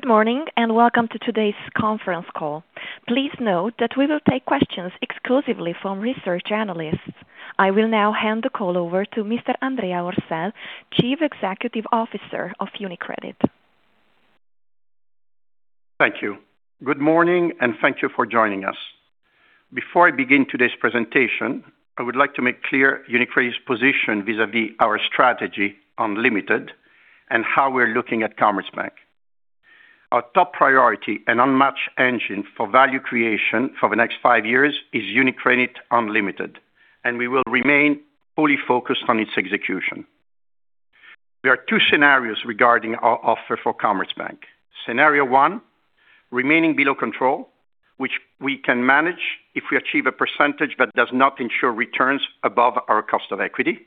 Good morning, and welcome to today's conference call. Please note that we will take questions exclusively from research analysts. I will now hand the call over to Mr. Andrea Orcel, Chief Executive Officer of UniCredit. Thank you. Good morning, and thank you for joining us. Before I begin today's presentation, I would like to make clear UniCredit's position vis-à-vis our strategy, Unlimited, and how we're looking at Commerzbank. Our top priority and unmatched engine for value creation for the next five years is UniCredit Unlimited, and we will remain fully focused on its execution. There are two scenarios regarding our offer for Commerzbank. Scenario one, remaining below control, which we can manage if we achieve a percentage that does not ensure returns above our cost of equity.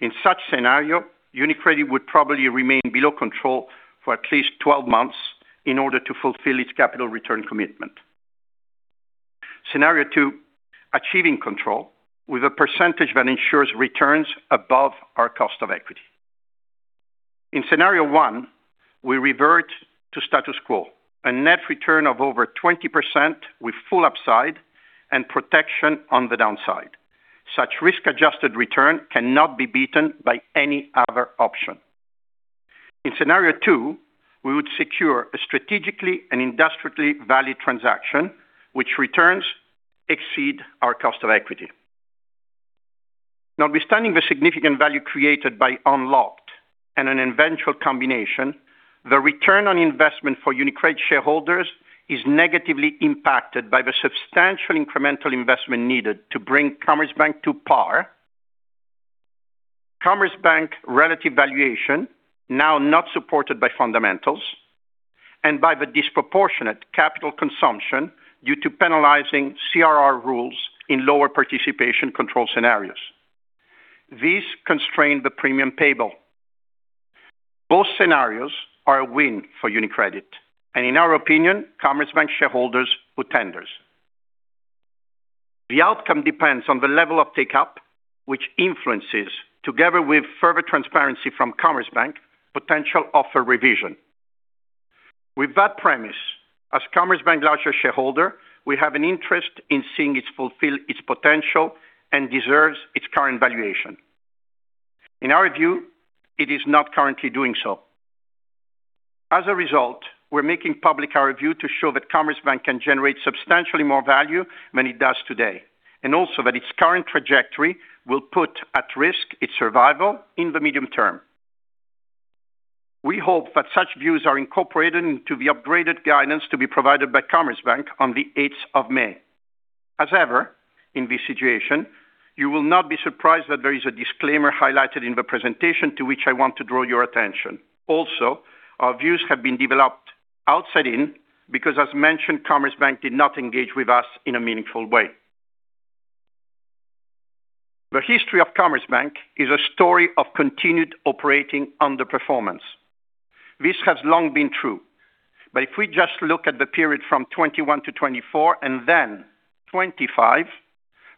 In such scenario, UniCredit would probably remain below control for at least 12 months in order to fulfill its capital return commitment. Scenario two, achieving control with a percentage that ensures returns above our cost of equity. In scenario one, we revert to status quo, a net return of over 20% with full upside and protection on the downside. Such risk-adjusted return cannot be beaten by any other option. In scenario two, we would secure a strategically and industrially valid transaction, which returns exceed our cost of equity. Notwithstanding the significant value created by Unlocked and an eventual combination, the return on investment for UniCredit shareholders is negatively impacted by the substantial incremental investment needed to bring Commerzbank to par, Commerzbank relative valuation, now not supported by fundamentals, and by the disproportionate capital consumption due to penalizing CRR rules in lower participation control scenarios. These constrain the premium payable. Both scenarios are a win for UniCredit and, in our opinion, Commerzbank shareholders with tenders. The outcome depends on the level of take-up, which influences, together with further transparency from Commerzbank, potential offer revision. With that premise, as Commerzbank's largest shareholder, we have an interest in seeing it fulfill its potential and it deserves its current valuation. In our view, it is not currently doing so. As a result, we're making public our review to show that Commerzbank can generate substantially more value than it does today, and also that its current trajectory will put at risk its survival in the medium term. We hope that such views are incorporated into the upgraded guidance to be provided by Commerzbank on the 8th of May. As ever, in this situation, you will not be surprised that there is a disclaimer highlighted in the presentation to which I want to draw your attention. Also, our views have been developed outside in, because as mentioned, Commerzbank did not engage with us in a meaningful way. The history of Commerzbank is a story of continued operating underperformance. This has long been true, but if we just look at the period from 2021-2024 and then 2025,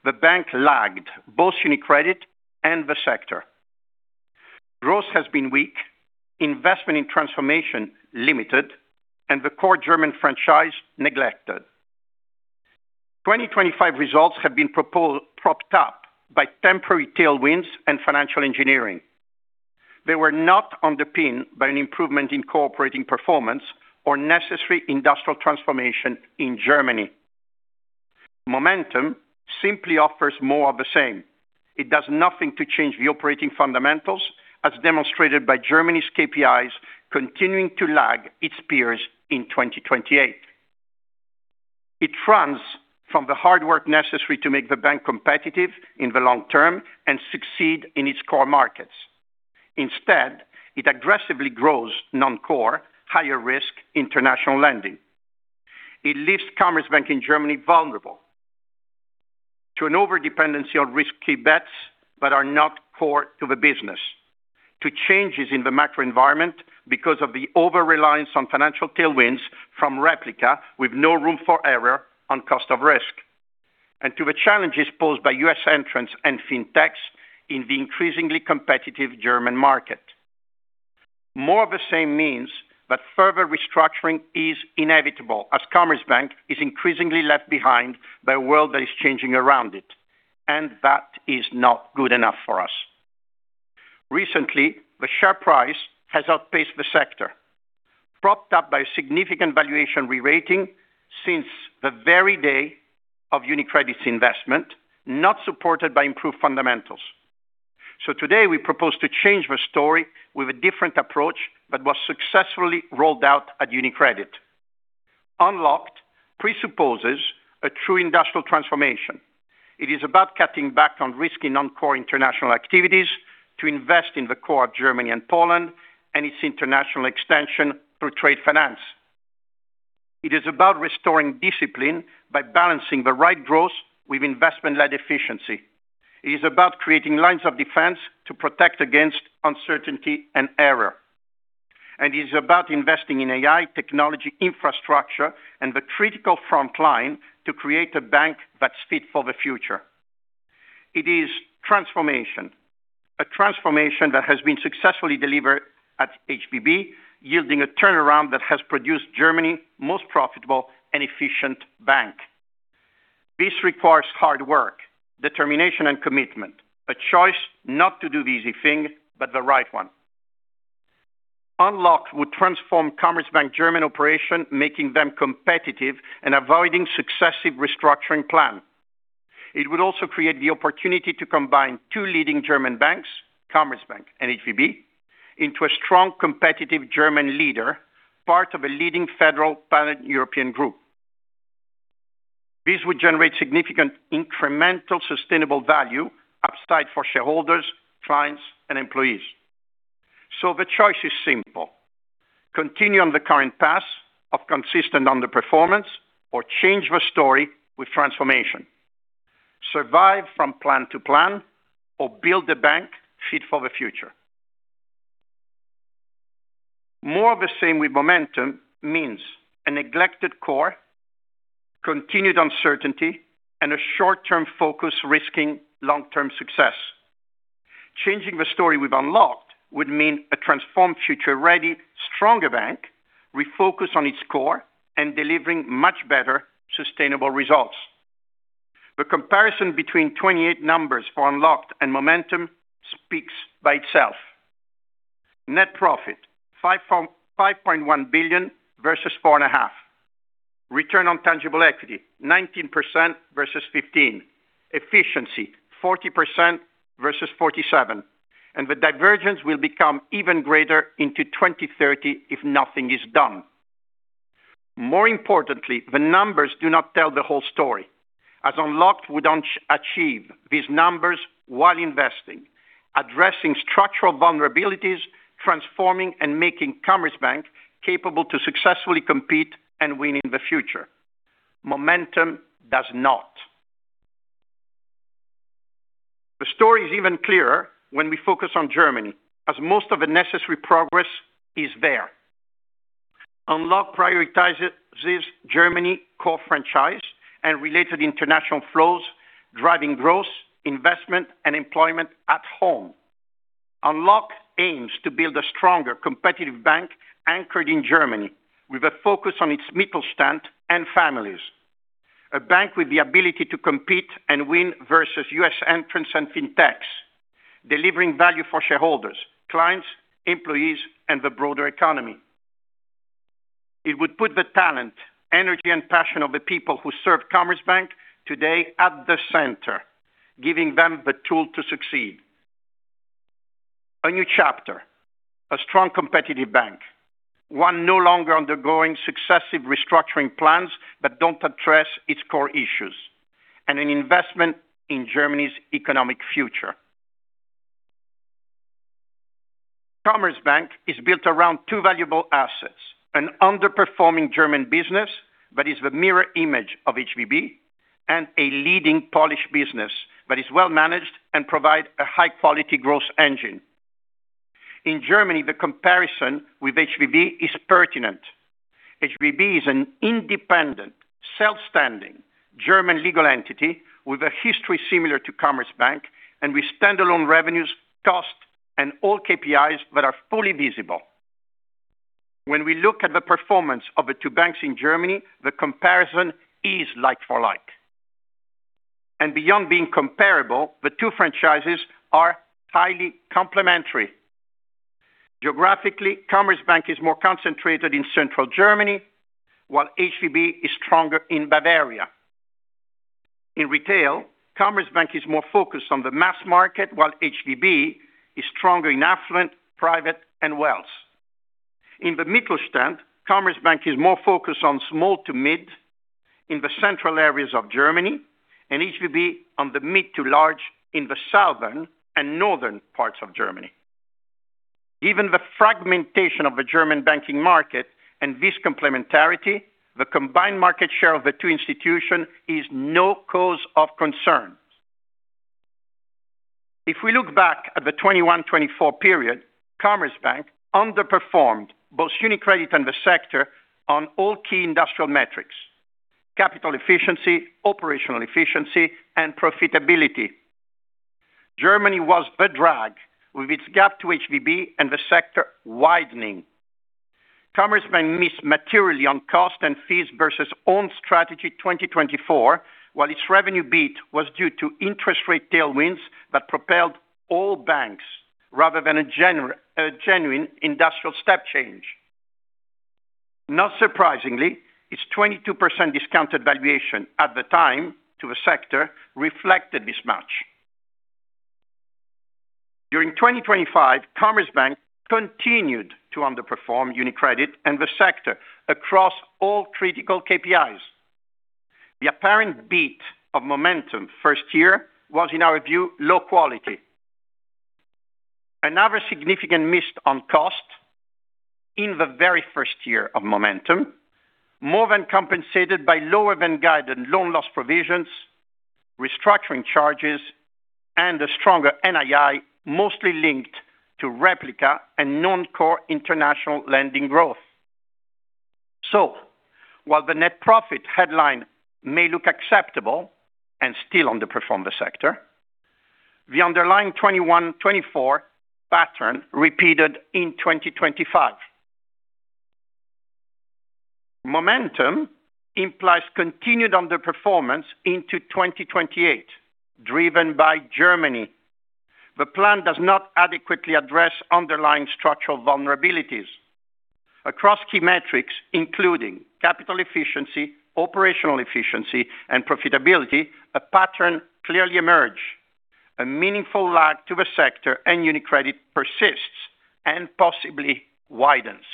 the bank lagged both UniCredit and the sector. Growth has been weak, investment in transformation limited, and the core German franchise neglected. 2025 results have been propped up by temporary tailwinds and financial engineering. They were not underpinned by an improvement in core operating performance or necessary industrial transformation in Germany. Momentum simply offers more of the same. It does nothing to change the operating fundamentals, as demonstrated by Germany's KPIs continuing to lag its peers in 2028. It runs from the hard work necessary to make the bank competitive in the long term and succeed in its core markets. Instead, it aggressively grows non-core, higher risk international lending. It leaves Commerzbank in Germany vulnerable to an overdependency on risky bets that are not core to the business, to changes in the macro environment because of the overreliance on financial tailwinds from replicating portfolio with no room for error on cost of risk, and to the challenges posed by U.S. entrants and fintechs in the increasingly competitive German market. More of the same means that further restructuring is inevitable as Commerzbank is increasingly left behind by a world that is changing around it, and that is not good enough for us. Recently, the share price has outpaced the sector, propped up by significant valuation rerating since the very day of UniCredit's investment, not supported by improved fundamentals. Today, we propose to change the story with a different approach that was successfully rolled out at UniCredit. Unlocked presupposes a true industrial transformation. It is about cutting back on risky non-core international activities to invest in the core of Germany and Poland and its international extension through trade finance. It is about restoring discipline by balancing the right growth with investment-led efficiency. It is about creating lines of defense to protect against uncertainty and error. It is about investing in AI technology infrastructure and the critical frontline to create a bank that's fit for the future. It is transformation, a transformation that has been successfully delivered at HVB, yielding a turnaround that has produced Germany's most profitable and efficient bank. This requires hard work, determination, and commitment. A choice not to do the easy thing, but the right one. Unlocked would transform Commerzbank German operation, making them competitive and avoiding successive restructuring plan. It would also create the opportunity to combine two leading German banks, Commerzbank and HVB, into a strong, competitive German leader, part of a leading federal pan-European group. This would generate significant incremental sustainable value upside for shareholders, clients, and employees. The choice is simple. Continue on the current path of consistent underperformance, or change the story with transformation. Survive from plan to plan, or build a bank fit for the future. More of the same with Momentum means a neglected core, continued uncertainty, and a short-term focus risking long-term success. Changing the story with UniCredit Unlocked would mean a transformed future-ready, stronger bank, refocused on its core and delivering much better sustainable results. The comparison between 2028 numbers for UniCredit Unlocked and Momentum speaks for itself. Net profit, 5.1 billion versus 4.5 billion. Return on tangible equity, 19% versus 15%. Efficiency, 40% versus 47%. The divergence will become even greater into 2030 if nothing is done. More importantly, the numbers do not tell the whole story, as Unlocked would achieve these numbers while investing, addressing structural vulnerabilities, transforming and making Commerzbank capable to successfully compete and win in the future. Momentum does not. The story is even clearer when we focus on Germany, as most of the necessary progress is there. Unlocked prioritizes Germany core franchise and related international flows, driving growth, investment, and employment at home. Unlocked aims to build a stronger competitive bank anchored in Germany, with a focus on its Mittelstand and families. A bank with the ability to compete and win versus U.S. entrants and fintechs, delivering value for shareholders, clients, employees, and the broader economy. It would put the talent, energy, and passion of the people who serve Commerzbank today at the center, giving them the tool to succeed. A new chapter, a strong competitive bank, one no longer undergoing successive restructuring plans that don't address its core issues, and an investment in Germany's economic future. Commerzbank is built around two valuable assets, an underperforming German business that is the mirror image of HVB and a leading Polish business that is well managed and provides a high-quality growth engine. In Germany, the comparison with HVB is pertinent. HVB is an independent, self-standing German legal entity with a history similar to Commerzbank, and with standalone revenues, costs, and all KPIs that are fully visible. When we look at the performance of the two banks in Germany, the comparison is like for like. Beyond being comparable, the two franchises are highly complementary. Geographically, Commerzbank is more concentrated in central Germany, while HVB is stronger in Bavaria. In retail, Commerzbank is more focused on the mass market, while HVB is stronger in affluent, private, and wealth. In the Mittelstand, Commerzbank is more focused on small to mid in the central areas of Germany, and HVB on the mid to large in the southern and northern parts of Germany. Given the fragmentation of the German banking market and this complementarity, the combined market share of the two institutions is no cause of concern. If we look back at the 2021-2024 period, Commerzbank underperformed both UniCredit and the sector on all key industrial metrics: capital efficiency, operational efficiency, and profitability. Germany was the drag, with its gap to HVB and the sector widening. Commerzbank missed materially on cost and fees versus own Strategy 2024, while its revenue beat was due to interest rate tailwinds that propelled all banks rather than a genuine industrial step change. Not surprisingly, its 22% discounted valuation at the time to the sector reflected as much. During 2025, Commerzbank continued to underperform UniCredit and the sector across all critical KPIs. The apparent beat of Momentum first year was, in our view, low quality. Another significant miss on cost in the very first year of Momentum, more than compensated by lower-than-guided loan loss provisions, restructuring charges, and a stronger NII, mostly linked to replicating and non-core international lending growth. While the net profit headline may look acceptable and still underperform the sector, the underlying 2021-2024 pattern repeated in 2025. Momentum implies continued underperformance into 2028, driven by Germany. The plan does not adequately address underlying structural vulnerabilities. Across key metrics, including capital efficiency, operational efficiency, and profitability, a pattern clearly emerges, a meaningful lag to the sector, and UniCredit persists and possibly widens.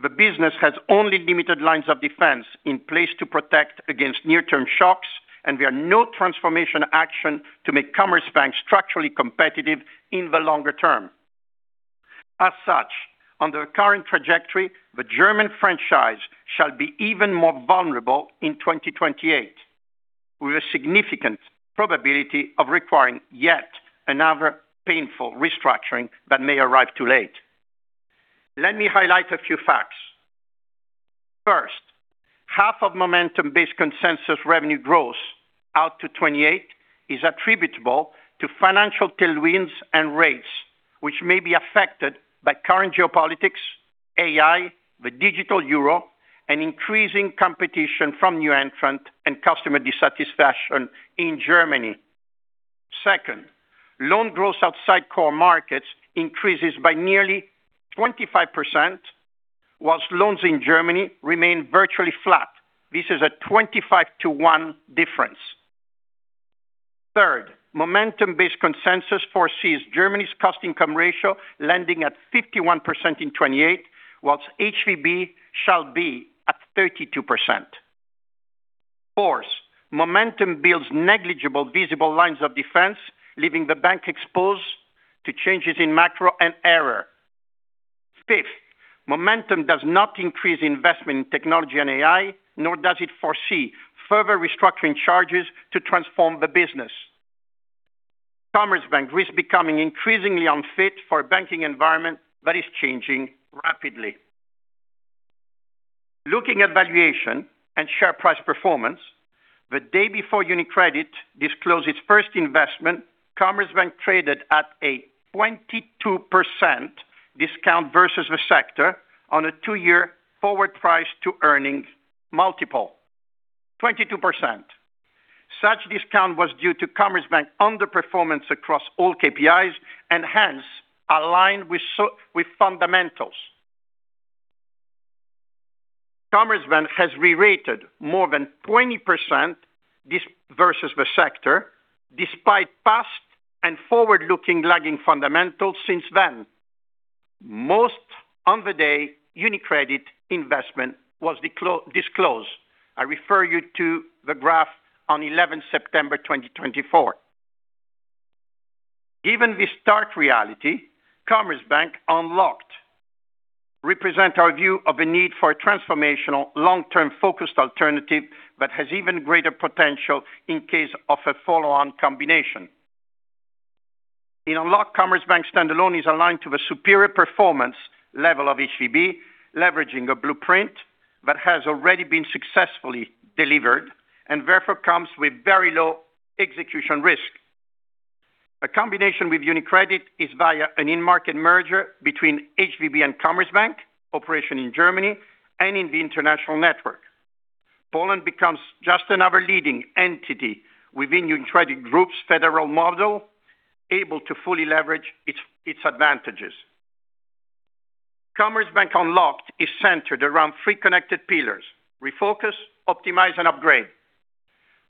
The business has only limited lines of defense in place to protect against near-term shocks, and there are no transformation actions to make Commerzbank structurally competitive in the longer term. As such, under the current trajectory, the German franchise shall be even more vulnerable in 2028, with a significant probability of requiring yet another painful restructuring that may arrive too late. Let me highlight a few facts. First, half of Momentum-based consensus revenue growth out to 2028 is attributable to financial tailwinds and rates, which may be affected by current geopolitics, AI, the digital euro, and increasing competition from new entrants and customer dissatisfaction in Germany. Second, loan growth outside core markets increases by nearly 25%, while loans in Germany remain virtually flat. This is a 25-to-1 difference. Third, momentum-based consensus foresees Germany's cost-income ratio landing at 51% in 2028, while HVB shall be at 32%. Fourth, momentum builds negligible visible lines of defense, leaving the bank exposed to changes in macro and euro. Fifth, momentum does not increase investment in technology and AI, nor does it foresee further restructuring charges to transform the business. Commerzbank risks becoming increasingly unfit for a banking environment that is changing rapidly. Looking at valuation and share price performance, the day before UniCredit disclosed its first investment, Commerzbank traded at a 22% discount versus the sector on a two-year forward price to earnings multiple, 22%. Such discount was due to Commerzbank underperformance across all KPIs and hence aligned with fundamentals. Commerzbank has rerated more than 20% versus the sector, despite past and forward-looking lagging fundamentals since then. Most on the day UniCredit investment was disclosed. I refer you to the graph on 11 September 2024. Given this stark reality, Commerzbank Unlocked represent our view of a need for a transformational, long-term, focused alternative that has even greater potential in case of a follow-on combination. In Unlocked, Commerzbank standalone is aligned to the superior performance level of HVB, leveraging a blueprint that has already been successfully delivered and therefore comes with very low execution risk. A combination with UniCredit is via an in-market merger between HVB and Commerzbank, operation in Germany, and in the international network. Poland becomes just another leading entity within UniCredit Group's federal model, able to fully leverage its advantages. Commerzbank Unlocked is centered around three connected pillars, refocus, optimize, and upgrade.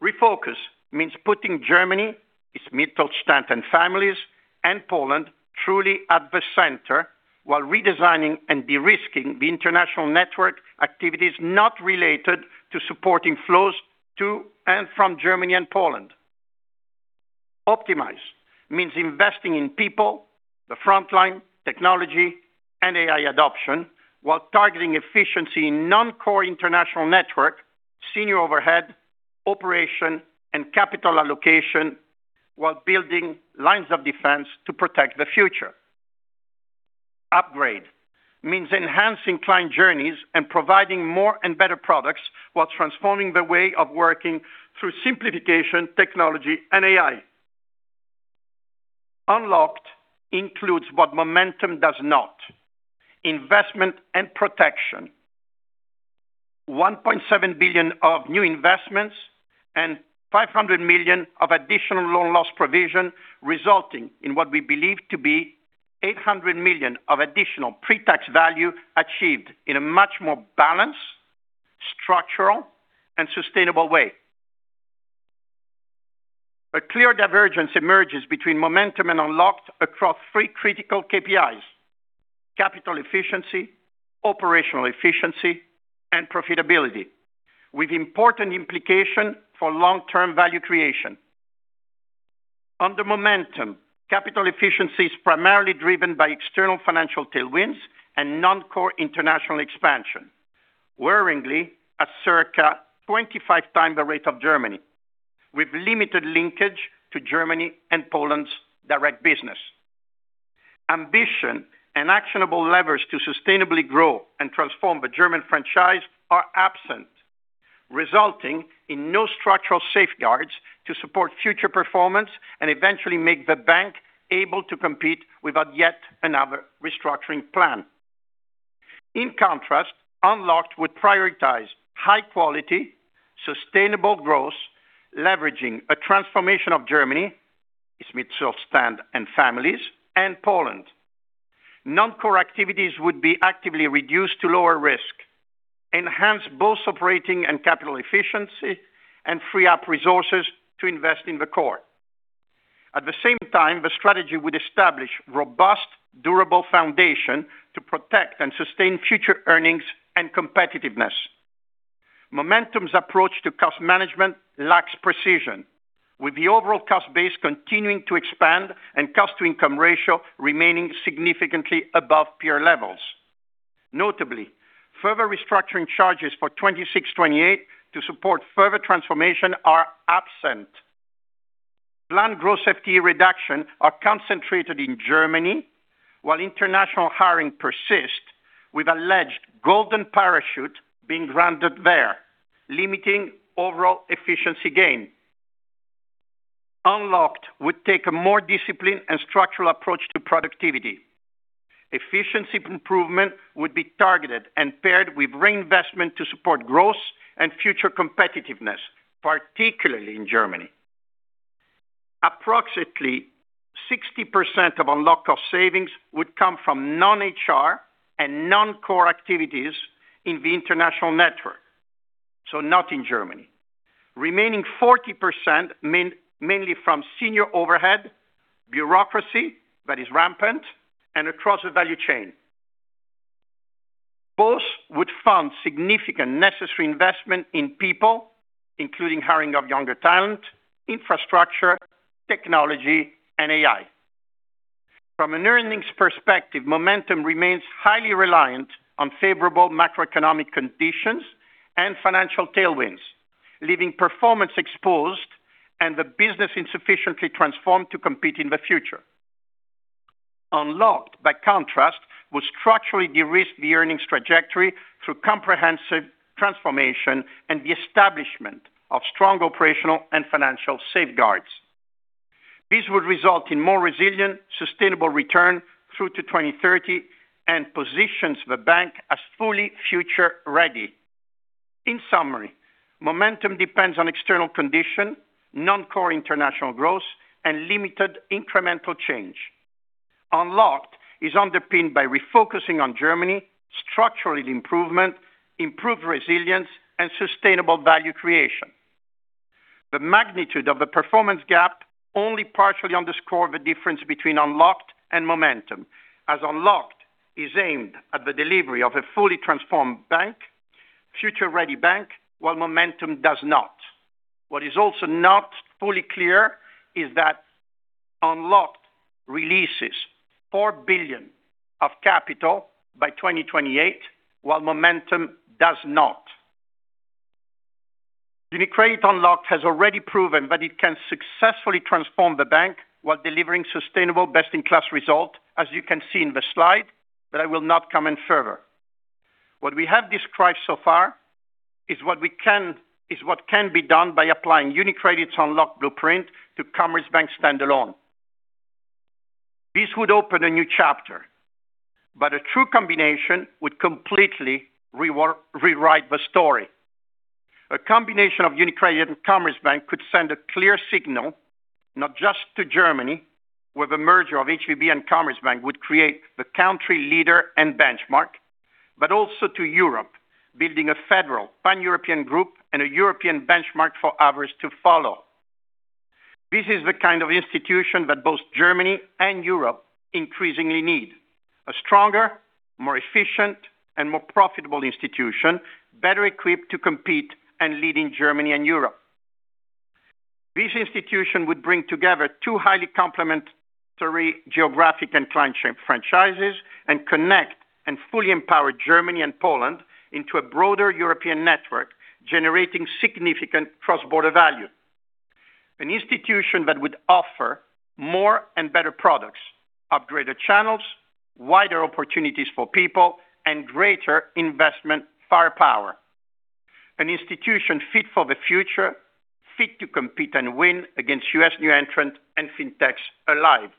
Refocus means putting Germany, its Mittelstand and families and Poland truly at the center while redesigning and de-risking the international network activities not related to supporting flows to and from Germany and Poland. Optimize means investing in people, the frontline, technology, and AI adoption while targeting efficiency in non-core international network, senior overhead, operation, and capital allocation while building lines of defense to protect the future. Upgrade means enhancing client journeys and providing more and better products while transforming the way of working through simplification, technology and AI. Unlocked includes what Momentum does not. Investment and protection, $1.7 billion of new investments and $500 million of additional loan loss provision, resulting in what we believe to be $800 million of additional pre-tax value achieved in a much more balanced, structural and sustainable way. A clear divergence emerges between Momentum and Unlocked across three critical KPIs, capital efficiency, operational efficiency, and profitability, with important implication for long-term value creation. Under Momentum, capital efficiency is primarily driven by external financial tailwinds and non-core international expansion. Worryingly, at circa 25 times the rate of Germany, with limited linkage to Germany and Poland's direct business. Ambition and actionable levers to sustainably grow and transform the German franchise are absent, resulting in no structural safeguards to support future performance and eventually make the bank able to compete without yet another restructuring plan. In contrast, Unlocked would prioritize high quality, sustainable growth, leveraging a transformation of Germany, its Mittelstand and families, and Poland. Non-core activities would be actively reduced to lower risk, enhance both operating and capital efficiency, and free up resources to invest in the core. At the same time, the strategy would establish robust, durable foundation to protect and sustain future earnings and competitiveness. Momentum's approach to cost management lacks precision, with the overall cost base continuing to expand and cost-income ratio remaining significantly above peer levels. Notably, further restructuring charges for 2026-2028 to support further transformation are absent. Planned gross FTE reduction are concentrated in Germany, while international hiring persist, with alleged golden parachute being granted there, limiting overall efficiency gain. Unlocked would take a more disciplined and structural approach to productivity. Efficiency improvement would be targeted and paired with reinvestment to support growth and future competitiveness, particularly in Germany. Approximately 60% of Unlocked cost savings would come from non-HR and non-core activities in the international network, so not in Germany. Remaining 40% mainly from senior overhead, bureaucracy that is rampant, and across the value chain. Both would fund significant necessary investment in people, including hiring of younger talent, infrastructure, technology, and AI. From an earnings perspective, Momentum remains highly reliant on favorable macroeconomic conditions and financial tailwinds, leaving performance exposed and the business insufficiently transformed to compete in the future. Unlocked, by contrast, will structurally de-risk the earnings trajectory through comprehensive transformation and the establishment of strong operational and financial safeguards. This would result in more resilient, sustainable return through to 2030 and positions the bank as fully future-ready. In summary, Momentum depends on external condition, non-core international growth, and limited incremental change. Unlocked is underpinned by refocusing on Germany, structural improvement, improved resilience, and sustainable value creation. The magnitude of the performance gap only partially underscore the difference between Unlocked and Momentum, as Unlocked is aimed at the delivery of a fully transformed bank, future-ready bank, while Momentum does not. What is also not fully clear is that UniCredit Unlocked releases 4 billion of capital by 2028, while Momentum does not. UniCredit Unlocked has already proven that it can successfully transform the bank while delivering sustainable best-in-class results, as you can see in the slide, but I will not comment further. What we have described so far is what can be done by applying UniCredit's Unlocked blueprint to Commerzbank standalone. This would open a new chapter, but a true combination would completely rewrite the story. A combination of UniCredit and Commerzbank could send a clear signal, not just to Germany, where the merger of HVB and Commerzbank would create the country leader and benchmark, but also to Europe, building a federal pan-European group and a European benchmark for others to follow. This is the kind of institution that both Germany and Europe increasingly need. A stronger, more efficient, and more profitable institution, better equipped to compete and lead in Germany and Europe. This institution would bring together two highly complementary geographic and client franchises and connect and fully empower Germany and Poland into a broader European network, generating significant cross-border value. An institution that would offer more and better products, upgraded channels, wider opportunities for people, and greater investment firepower. An institution fit for the future, fit to compete and win against U.S. new entrants and fintechs alike.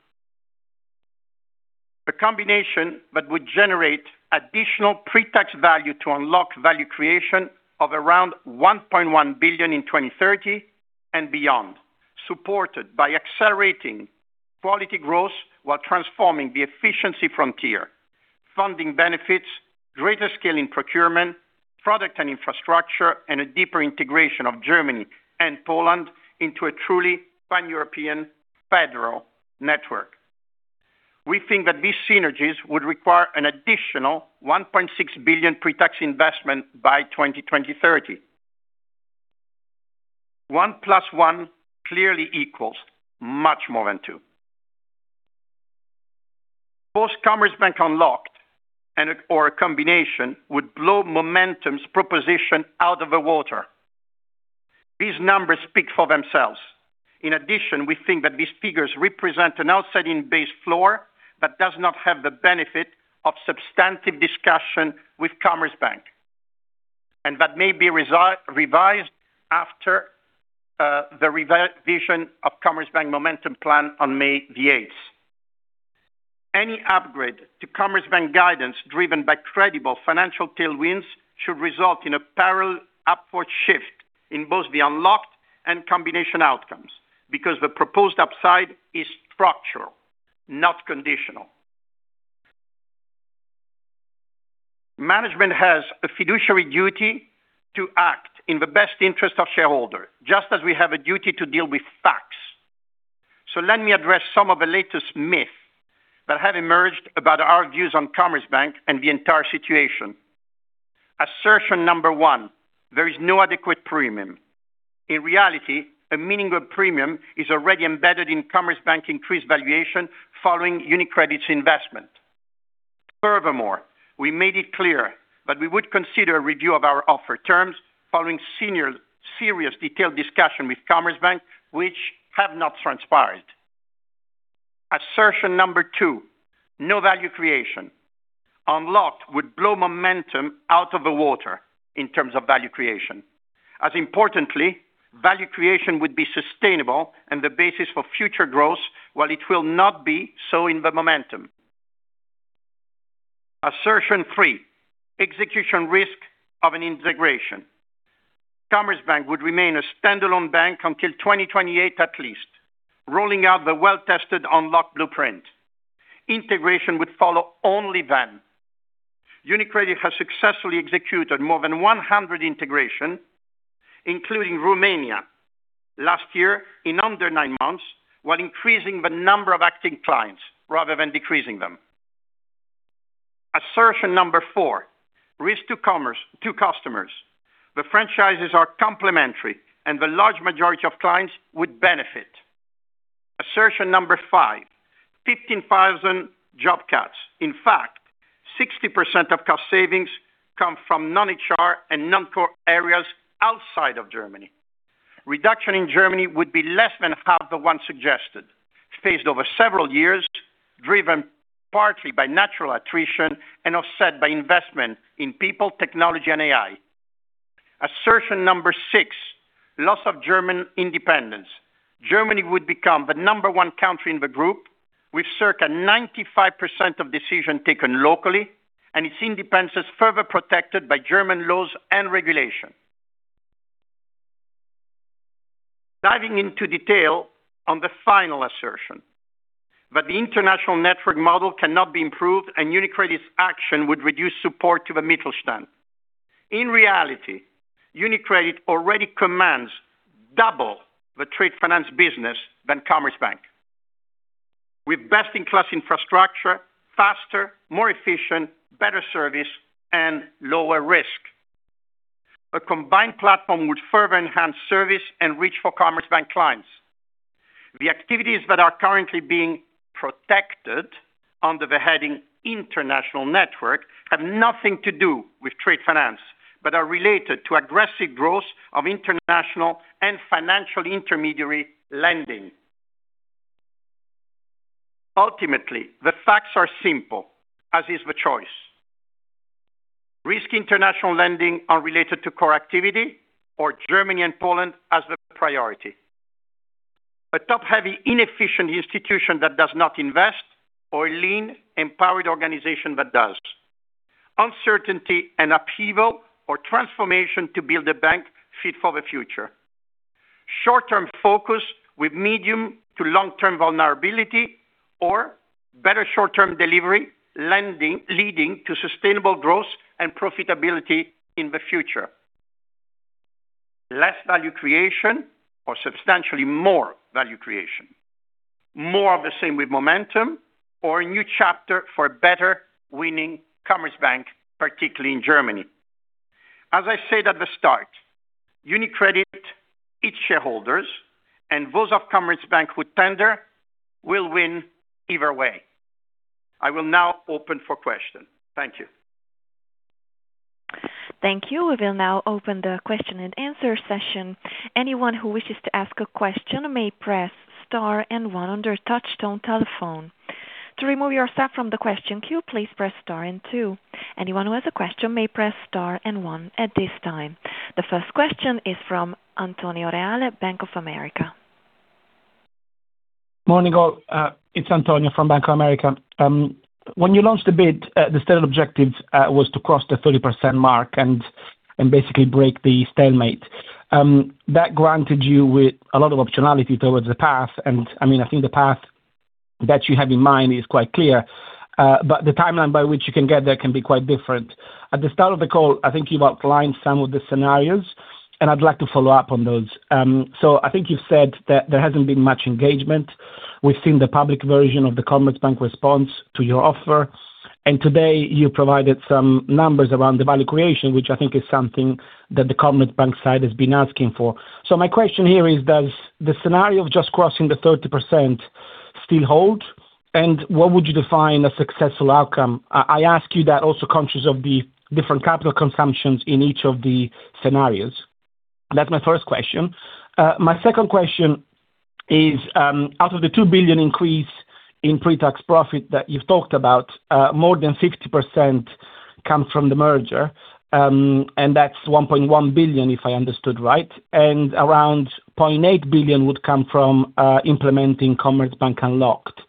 A combination that would generate additional pre-tax value to unlock value creation of around 1.1 billion in 2030 and beyond, supported by accelerating quality growth while transforming the efficiency frontier, funding benefits, greater scale in procurement, product and infrastructure, and a deeper integration of Germany and Poland into a truly pan-European federal network. We think that these synergies would require an additional 1.6 billion pre-tax investment by 2030. One plus one clearly equals much more than two. Post Commerzbank Unlocked or a combination would blow Momentum's proposition out of the water. These numbers speak for themselves. In addition, we think that these figures represent an offsetting base floor that does not have the benefit of substantive discussion with Commerzbank, and that may be revised after the revision of Commerzbank Momentum plan on May 8. Any upgrade to Commerzbank guidance driven by credible financial tailwinds should result in a parallel upward shift in both the Unlocked and combination outcomes, because the proposed upside is structural, not conditional. Management has a fiduciary duty to act in the best interest of shareholders, just as we have a duty to deal with facts. Let me address some of the latest myths that have emerged about our views on Commerzbank and the entire situation. Assertion number one: there is no adequate premium. In reality, a meaningful premium is already embedded in Commerzbank's increased valuation following UniCredit's investment. Furthermore, we made it clear that we would consider a review of our offer terms following serious detailed discussion with Commerzbank, which have not transpired. Assertion number two: no value creation. Unlocked would blow Momentum out of the water in terms of value creation. As importantly, value creation would be sustainable and the basis for future growth, while it will not be so in the Momentum. Assertion three: execution risk of an integration. Commerzbank would remain a standalone bank until 2028 at least, rolling out the well-tested Unlocked blueprint. Integration would follow only then. UniCredit has successfully executed more than 100 integrations, including Romania last year in under nine months, while increasing the number of active clients rather than decreasing them. Assertion number four: risk to customers. The franchises are complementary, and the large majority of clients would benefit. Assertion number five: 15,000 job cuts. In fact, 60% of cost savings come from non-HR and non-core areas outside of Germany. Reduction in Germany would be less than half the one suggested, phased over several years, driven partly by natural attrition and offset by investment in people, technology and AI. Assertion number six: loss of German independence. Germany would become the number one country in the group, with circa 95% of decisions taken locally, and its independence is further protected by German laws and regulations. Diving into detail on the final assertion, that the international network model cannot be improved and UniCredit's action would reduce support to the Mittelstand. In reality, UniCredit already commands double the trade finance business than Commerzbank. With best-in-class infrastructure, faster, more efficient, better service, and lower risk. A combined platform would further enhance service and reach for Commerzbank clients. The activities that are currently being protected under the heading international network have nothing to do with trade finance, but are related to aggressive growth of international and financial intermediary lending. Ultimately, the facts are simple, as is the choice. Risk international lending unrelated to core activity, or Germany and Poland as the priority. A top-heavy, inefficient institution that does not invest, or a lean, empowered organization that does. Uncertainty and upheaval or transformation to build a bank fit for the future. Short-term focus with medium to long-term vulnerability, or better short-term delivery leading to sustainable growth and profitability in the future. Less value creation or substantially more value creation. More of the same with Momentum, or a new chapter for a better winning Commerzbank, particularly in Germany. As I said at the start, UniCredit, its shareholders, and those of Commerzbank who tender will win either way. I will now open for questions. Thank you. Thank you. We will now open the question and answer session. The first question is from Antonio Reale, Bank of America. Morning all. It's Antonio from Bank of America. When you launched the bid, the stated objective was to cross the 30% mark and basically break the stalemate. That granted you with a lot of optionality towards the path, and I think the path that you have in mind is quite clear. The timeline by which you can get there can be quite different. At the start of the call, I think you've outlined some of the scenarios, and I'd like to follow up on those. I think you've said that there hasn't been much engagement. We've seen the public version of the Commerzbank response to your offer. Today you provided some numbers around the value creation, which I think is something that the Commerzbank side has been asking for. My question here is, does the scenario of just crossing the 30% still hold, and what would you define a successful outcome? I ask you that also conscious of the different capital consumptions in each of the scenarios. That's my first question. My second question is, out of the 2 billion increase in pre-tax profit that you've talked about, more than 50% comes from the merger, and that's 1.1 billion, if I understood right, and around 0.8 billion would come from implementing Commerzbank Unlocked.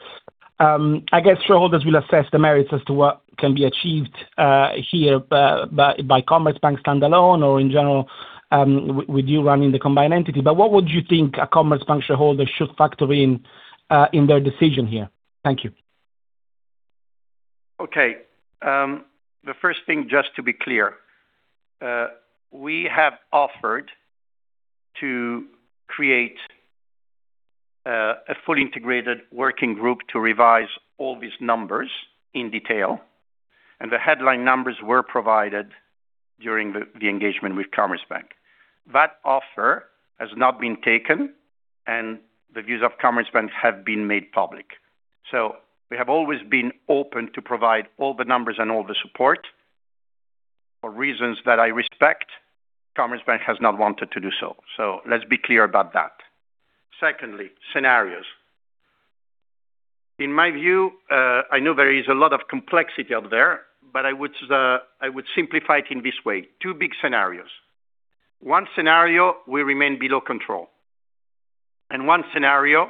I guess shareholders will assess the merits as to what can be achieved here by Commerzbank standalone or in general, with you running the combined entity. What would you think a Commerzbank shareholder should factor in their decision here? Thank you. Okay. The first thing, just to be clear, we have offered to create a fully integrated working group to revise all these numbers in detail, and the headline numbers were provided during the engagement with Commerzbank. That offer has not been taken, and the views of Commerzbank have been made public. We have always been open to provide all the numbers and all the support. For reasons that I respect, Commerzbank has not wanted to do so. Let's be clear about that. Secondly, scenarios. In my view, I know there is a lot of complexity out there, but I would simplify it in this way. Two big scenarios. One scenario, we remain below control, and one scenario,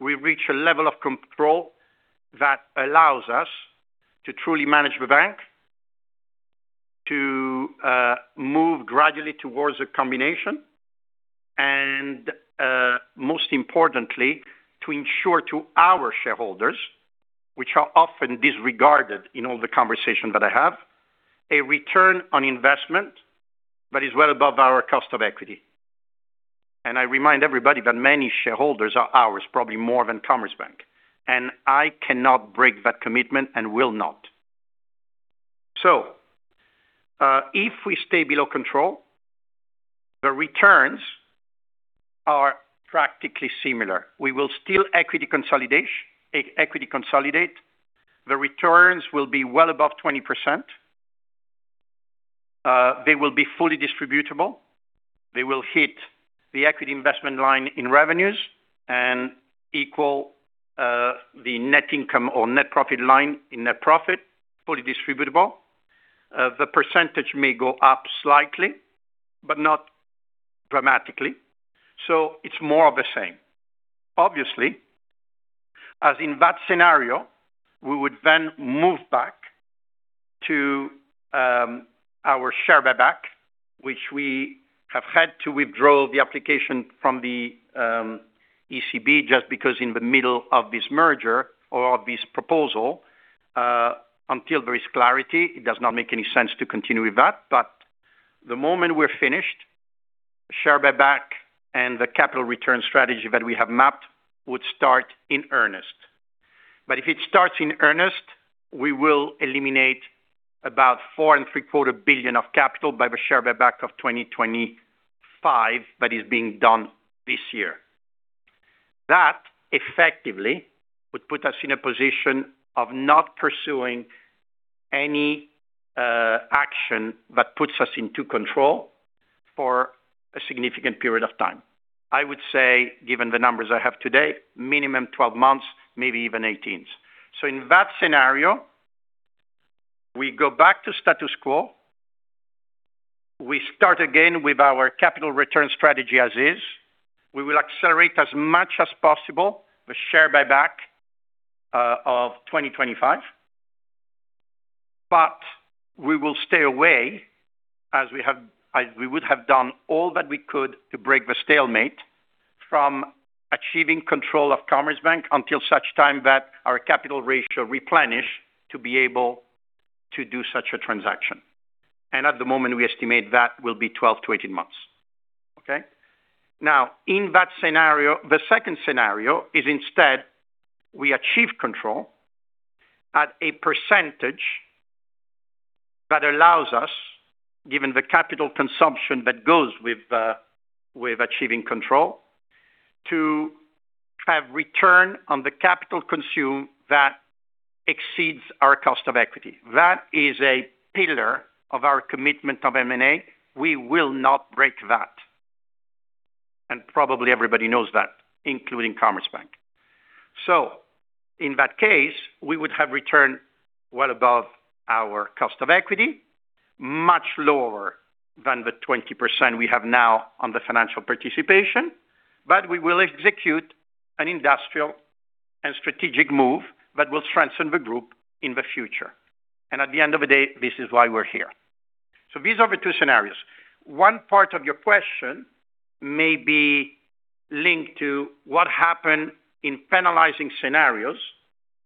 we reach a level of control that allows us to truly manage the bank, to move gradually towards a combination, and, most importantly, to ensure to our shareholders, which are often disregarded in all the conversation that I have, a return on investment that is well above our cost of equity. I remind everybody that many shareholders are ours, probably more than Commerzbank. I cannot break that commitment and will not. If we stay below control, the returns are practically similar. We will still equity consolidate. The returns will be well above 20%. They will be fully distributable. They will hit the equity investment line in revenues and equal the net income or net profit line in net profit, fully distributable. The percentage may go up slightly, but not dramatically. It's more of the same. Obviously, as in that scenario, we would then move back to our share buyback, which we have had to withdraw the application from the ECB just because in the middle of this merger or this proposal, until there is clarity, it does not make any sense to continue with that. The moment we're finished, share buyback and the capital return strategy that we have mapped would start in earnest. If it starts in earnest, we will eliminate about 4.75 billion of capital by the share buyback of 2025 that is being done this year. That effectively would put us in a position of not pursuing any action that puts us into control for a significant period of time. I would say, given the numbers I have today, minimum 12 months, maybe even 18. In that scenario, we go back to status quo. We start again with our capital return strategy as is. We will accelerate as much as possible the share buyback of 2025. We will stay away as we would have done all that we could to break the stalemate from achieving control of Commerzbank until such time that our capital ratio replenish to be able to do such a transaction. At the moment, we estimate that will be 12-18 months. Okay. Now, in that scenario, the second scenario is instead we achieve control at a percentage that allows us, given the capital consumption that goes with achieving control, to have return on the capital consumed that exceeds our cost of equity. That is a pillar of our commitment of M&A. We will not break that, and probably everybody knows that, including Commerzbank. In that case, we would have returned well above our cost of equity, much lower than the 20% we have now on the financial participation, but we will execute an industrial and strategic move that will strengthen the group in the future. At the end of the day, this is why we're here. These are the two scenarios. One part of your question may be linked to what happened in penalizing scenarios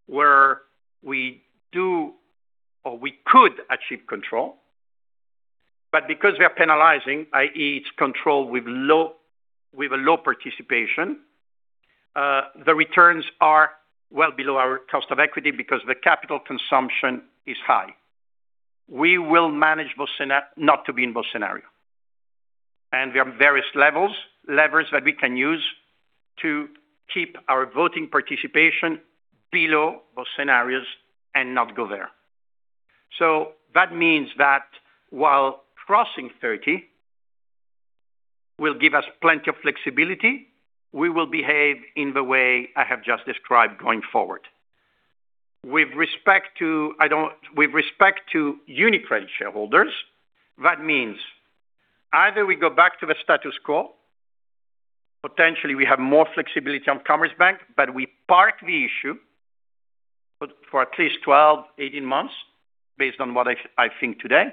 where we do or we could achieve control, but because we are penalizing, i.e., it's control with a low participation, the returns are well below our cost of equity because the capital consumption is high. We will manage not to be in both scenarios. There are various levers that we can use to keep our voting participation below those scenarios and not go there. That means that while crossing 30 will give us plenty of flexibility, we will behave in the way I have just described going forward. With respect to UniCredit shareholders, that means either we go back to the status quo, potentially we have more flexibility on Commerzbank, but we park the issue for at least 12, 18 months, based on what I think today,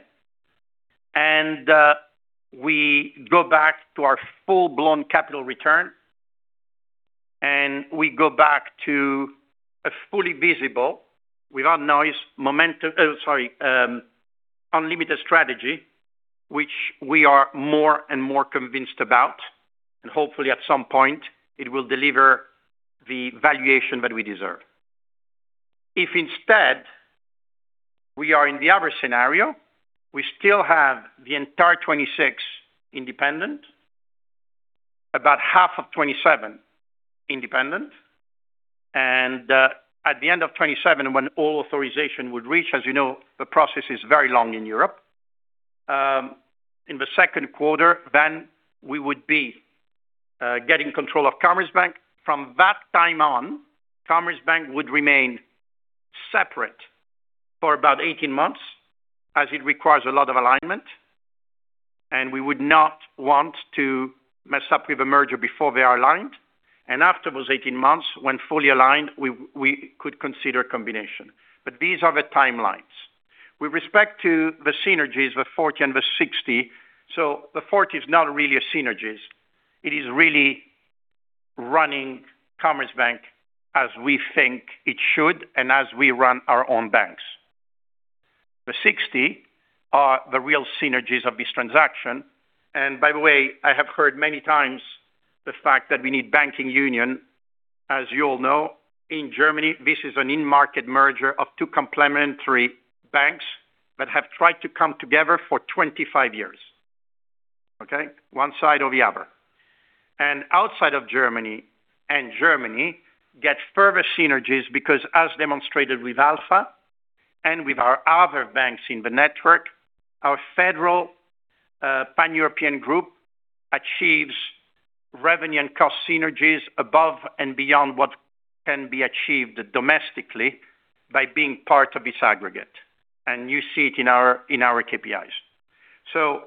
and we go back to our full-blown capital return, and we go back to a fully visible, without noise, Unlimited strategy, which we are more and more convinced about, and hopefully at some point it will deliver the valuation that we deserve. If instead we are in the other scenario, we still have the entire 2026 independent, about half of 2027 independent, and at the end of 2027 when all authorization would reach, as you know, the process is very long in Europe. In the second quarter, then we would be getting control of Commerzbank. From that time on, Commerzbank would remain separate for about 18 months, as it requires a lot of alignment, and we would not want to mess up with the merger before they are aligned. After those 18 months, when fully aligned, we could consider a combination. These are the timelines. With respect to the synergies, the 40 and the 60, so the 40 is not really a synergies. It is really running Commerzbank as we think it should, and as we run our own banks. The 60 are the real synergies of this transaction. By the way, I have heard many times the fact that we need banking union. As you all know, in Germany, this is an in-market merger of two complementary banks that have tried to come together for 25 years. Okay? One side or the other. Outside of Germany. In Germany, we get further synergies because as demonstrated with Alpha and with our other banks in the network, our federated Pan-European Group achieves revenue and cost synergies above and beyond what can be achieved domestically by being part of this aggregate. You see it in our KPIs. 40%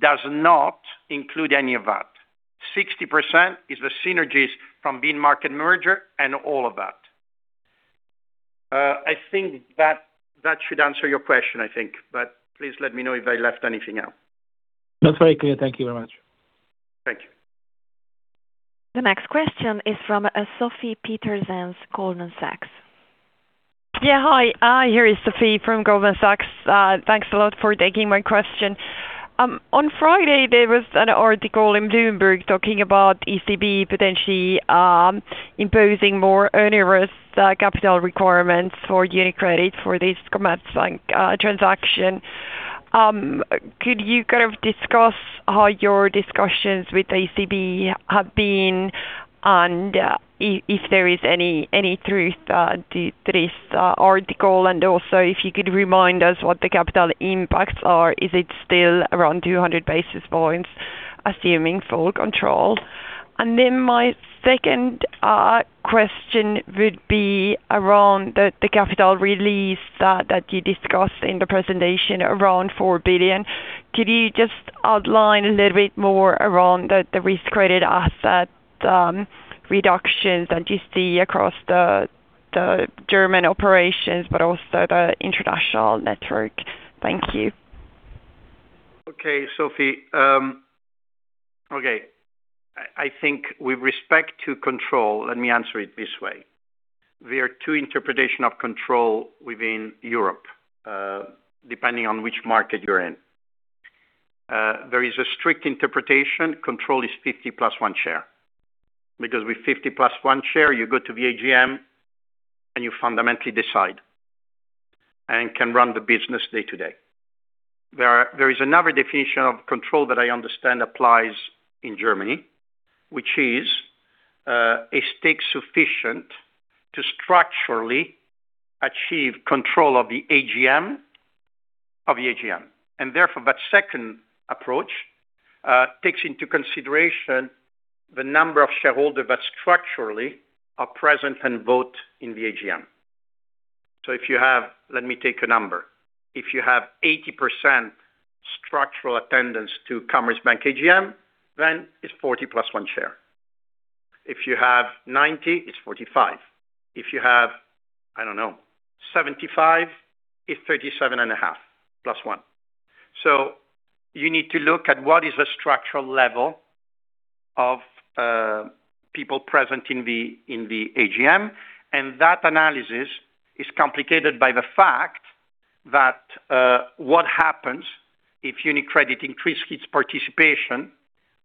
does not include any of that. 60% is the synergies from the merger and all of that. I think that should answer your question, I think. Please let me know if I left anything out. That's very clear. Thank you very much. Thank you. The next question is from Sofie Peterzens, Goldman Sachs. Yeah. Hi, here is Sofie from Goldman Sachs. Thanks a lot for taking my question. On Friday, there was an article in Bloomberg talking about ECB potentially imposing more onerous capital requirements for UniCredit for this Commerzbank transaction. Could you kind of discuss how your discussions with ECB have been and if there is any truth to this article, and also if you could remind us what the capital impacts are. Is it still around 200 basis points, assuming full control? My second question would be around the capital release that you discussed in the presentation around $4 billion. Could you just outline a little bit more around the risk-weighted asset reductions that you see across the German operations, but also the international network? Thank you. Okay, Sofie. I think with respect to control, let me answer it this way. There are two interpretation of control within Europe, depending on which market you're in. There is a strict interpretation, control is 50% + 1 share. Because with 50% + 1 share, you go to the AGM, and you fundamentally decide and can run the business day to day. There is another definition of control that I understand applies in Germany, which is a stake sufficient to structurally achieve control of the AGM. Therefore that second approach takes into consideration the number of shareholders that structurally are present and vote in the AGM. If you have, let me take a number. If you have 80% structural attendance to Commerzbank AGM, then it's 40% + 1 share. If you have 90%, it's 45%. If you have, I don't know, 75, it's 37.5% + 1. You need to look at what is the structural level of people present in the AGM, and that analysis is complicated by the fact that what happens if UniCredit increases its participation.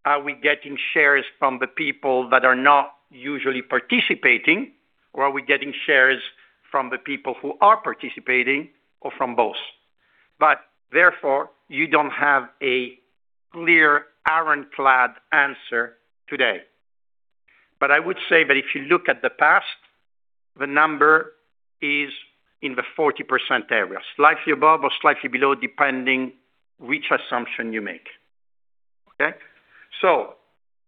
Are we getting shares from the people that are not usually participating, or are we getting shares from the people who are participating or from both? Therefore, you don't have a clear ironclad answer today. I would say that if you look at the past, the number is in the 40% area, slightly above or slightly below, depending which assumption you make. Okay?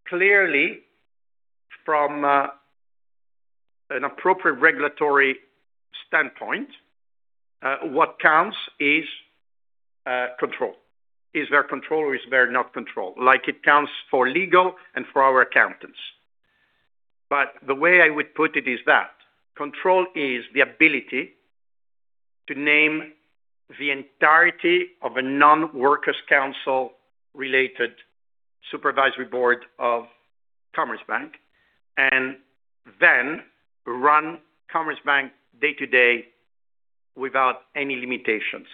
Clearly from an appropriate regulatory standpoint, what counts is control. Is there control or is there not control? Like it counts for legal and for our accountants. The way I would put it is that control is the ability to name the entirety of a non-works council-related supervisory board of Commerzbank, and then run Commerzbank day-to-day without any limitations,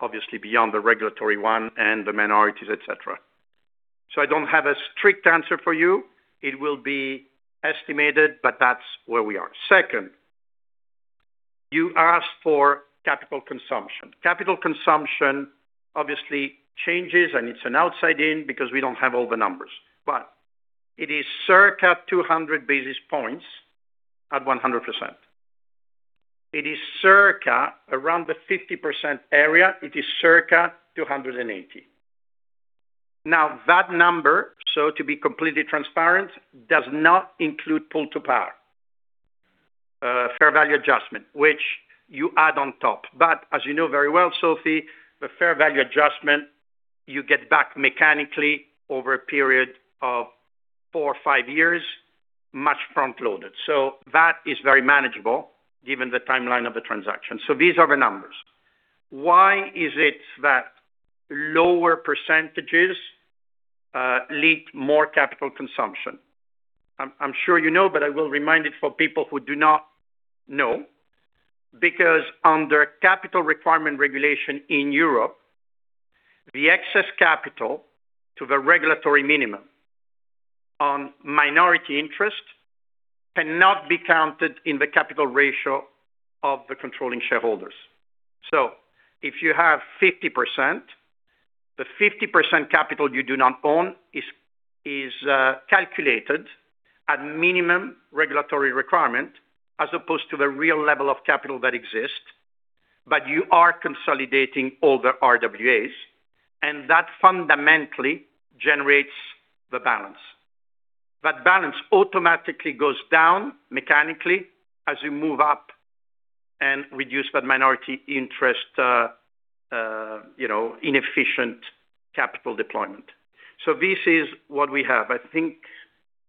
obviously beyond the regulatory one and the minorities, et cetera. I don't have a strict answer for you. It will be estimated, but that's where we are. Second, you asked for capital consumption. Capital consumption obviously changes, and it's an outside-in because we don't have all the numbers. It is circa 200 basis points at 100%. It is circa around the 50% area. It is circa 280 basis points. Now that number, so to be completely transparent, does not include pull to par, fair value adjustment, which you add on top. As you know very well, Sofie, the fair value adjustment, you get back mechanically over a period of four or five years, much front-loaded. That is very manageable given the timeline of the transaction. These are the numbers. Why is it that lower percentages lead more capital consumption? I'm sure you know, but I will remind it for people who do not know. Because under Capital Requirements Regulation in Europe, the excess capital to the regulatory minimum on minority interest cannot be counted in the capital ratio of the controlling shareholders. If you have 50%, the 50% capital you do not own is calculated at minimum regulatory requirement as opposed to the real level of capital that exists. You are consolidating all the RWAs, and that fundamentally generates the balance. That balance automatically goes down mechanically as you move up and reduce that minority interest inefficient capital deployment. This is what we have. I think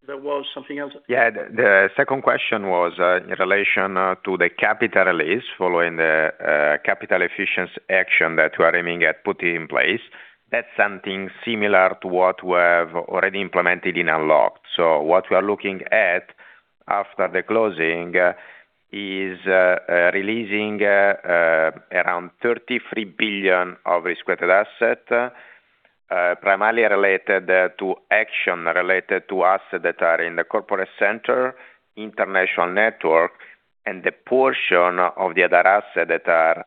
there was something else. Yeah. The second question was in relation to the capital release following the capital efficiency action that we are aiming at putting in place. That's something similar to what we have already implemented in Unlocked. What we are looking at after the closing is releasing around 33 billion of risk-weighted assets, primarily related to actions related to assets that are in the corporate center, international network, and the portion of the other assets that are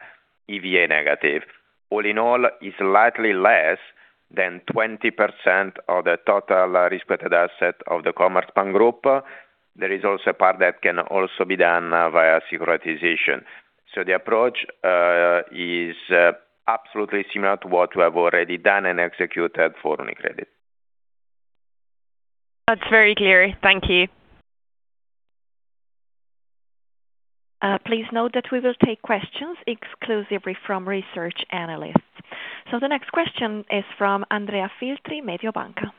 EVA negative. All in all, it is slightly less than 20% of the total risk-weighted assets of the Commerzbank group. There is also a part that can also be done via securitization. The approach is absolutely similar to what we have already done and executed for UniCredit. That's very clear. Thank you. Please note that we will take questions exclusively from research analysts. The next question is from Andrea Filtri, Mediobanca.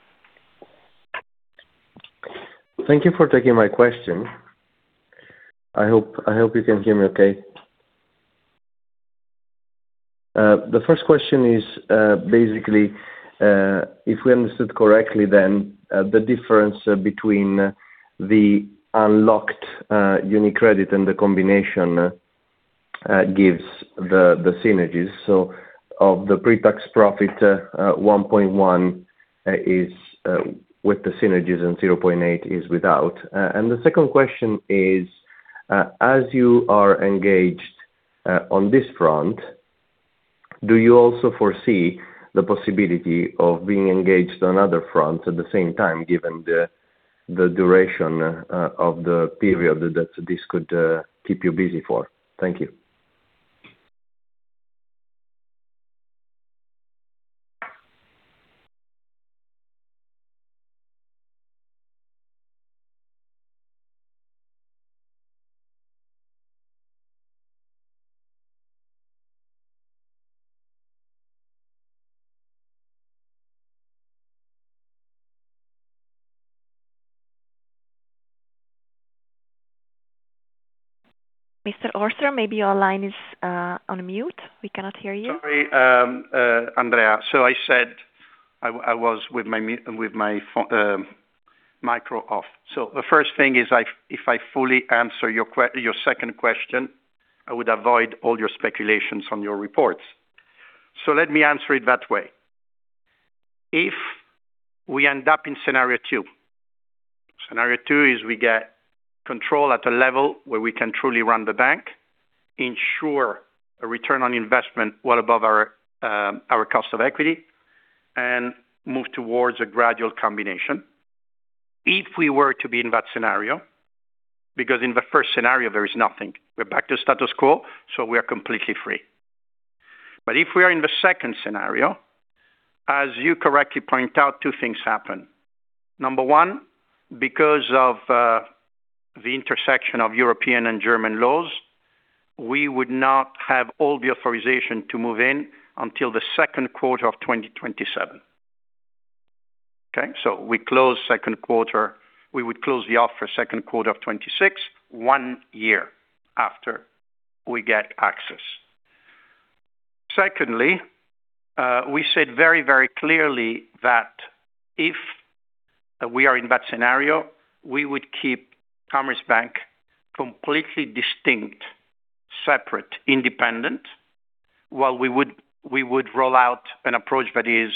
Thank you for taking my question. I hope you can hear me okay. The first question is, basically, if we understood correctly then, the difference between the Unlocked UniCredit and the combination gives the synergies. Of the pre-tax profit, 1.1 is with the synergies and 0.8 is without. The second question is, as you are engaged on this front, do you also foresee the possibility of being engaged on other fronts at the same time, given the duration of the period that this could keep you busy for? Thank you. Mr. Orcel, maybe your line is on mute. We cannot hear you. Sorry, Andrea. I said I was with my phone mic off. The first thing is if I fully answer your second question, I would avoid all your speculations on your reports. Let me answer it that way. If we end up in scenario two, scenario two is we get control at a level where we can truly run the bank, ensure a return on investment well above our cost of equity, and move towards a gradual combination. If we were to be in that scenario, because in the first scenario, there is nothing. We're back to status quo, so we are completely free. If we are in the second scenario, as you correctly point out, two things happen. Number one, because of the intersection of European and German laws, we would not have all the authorization to move in until the second quarter of 2027. Okay, we close second quarter. We would close the offer second quarter of 2026, one year after we get access. Secondly, we said very, very clearly that if we are in that scenario, we would keep Commerzbank completely distinct, separate, independent, while we would roll out an approach that is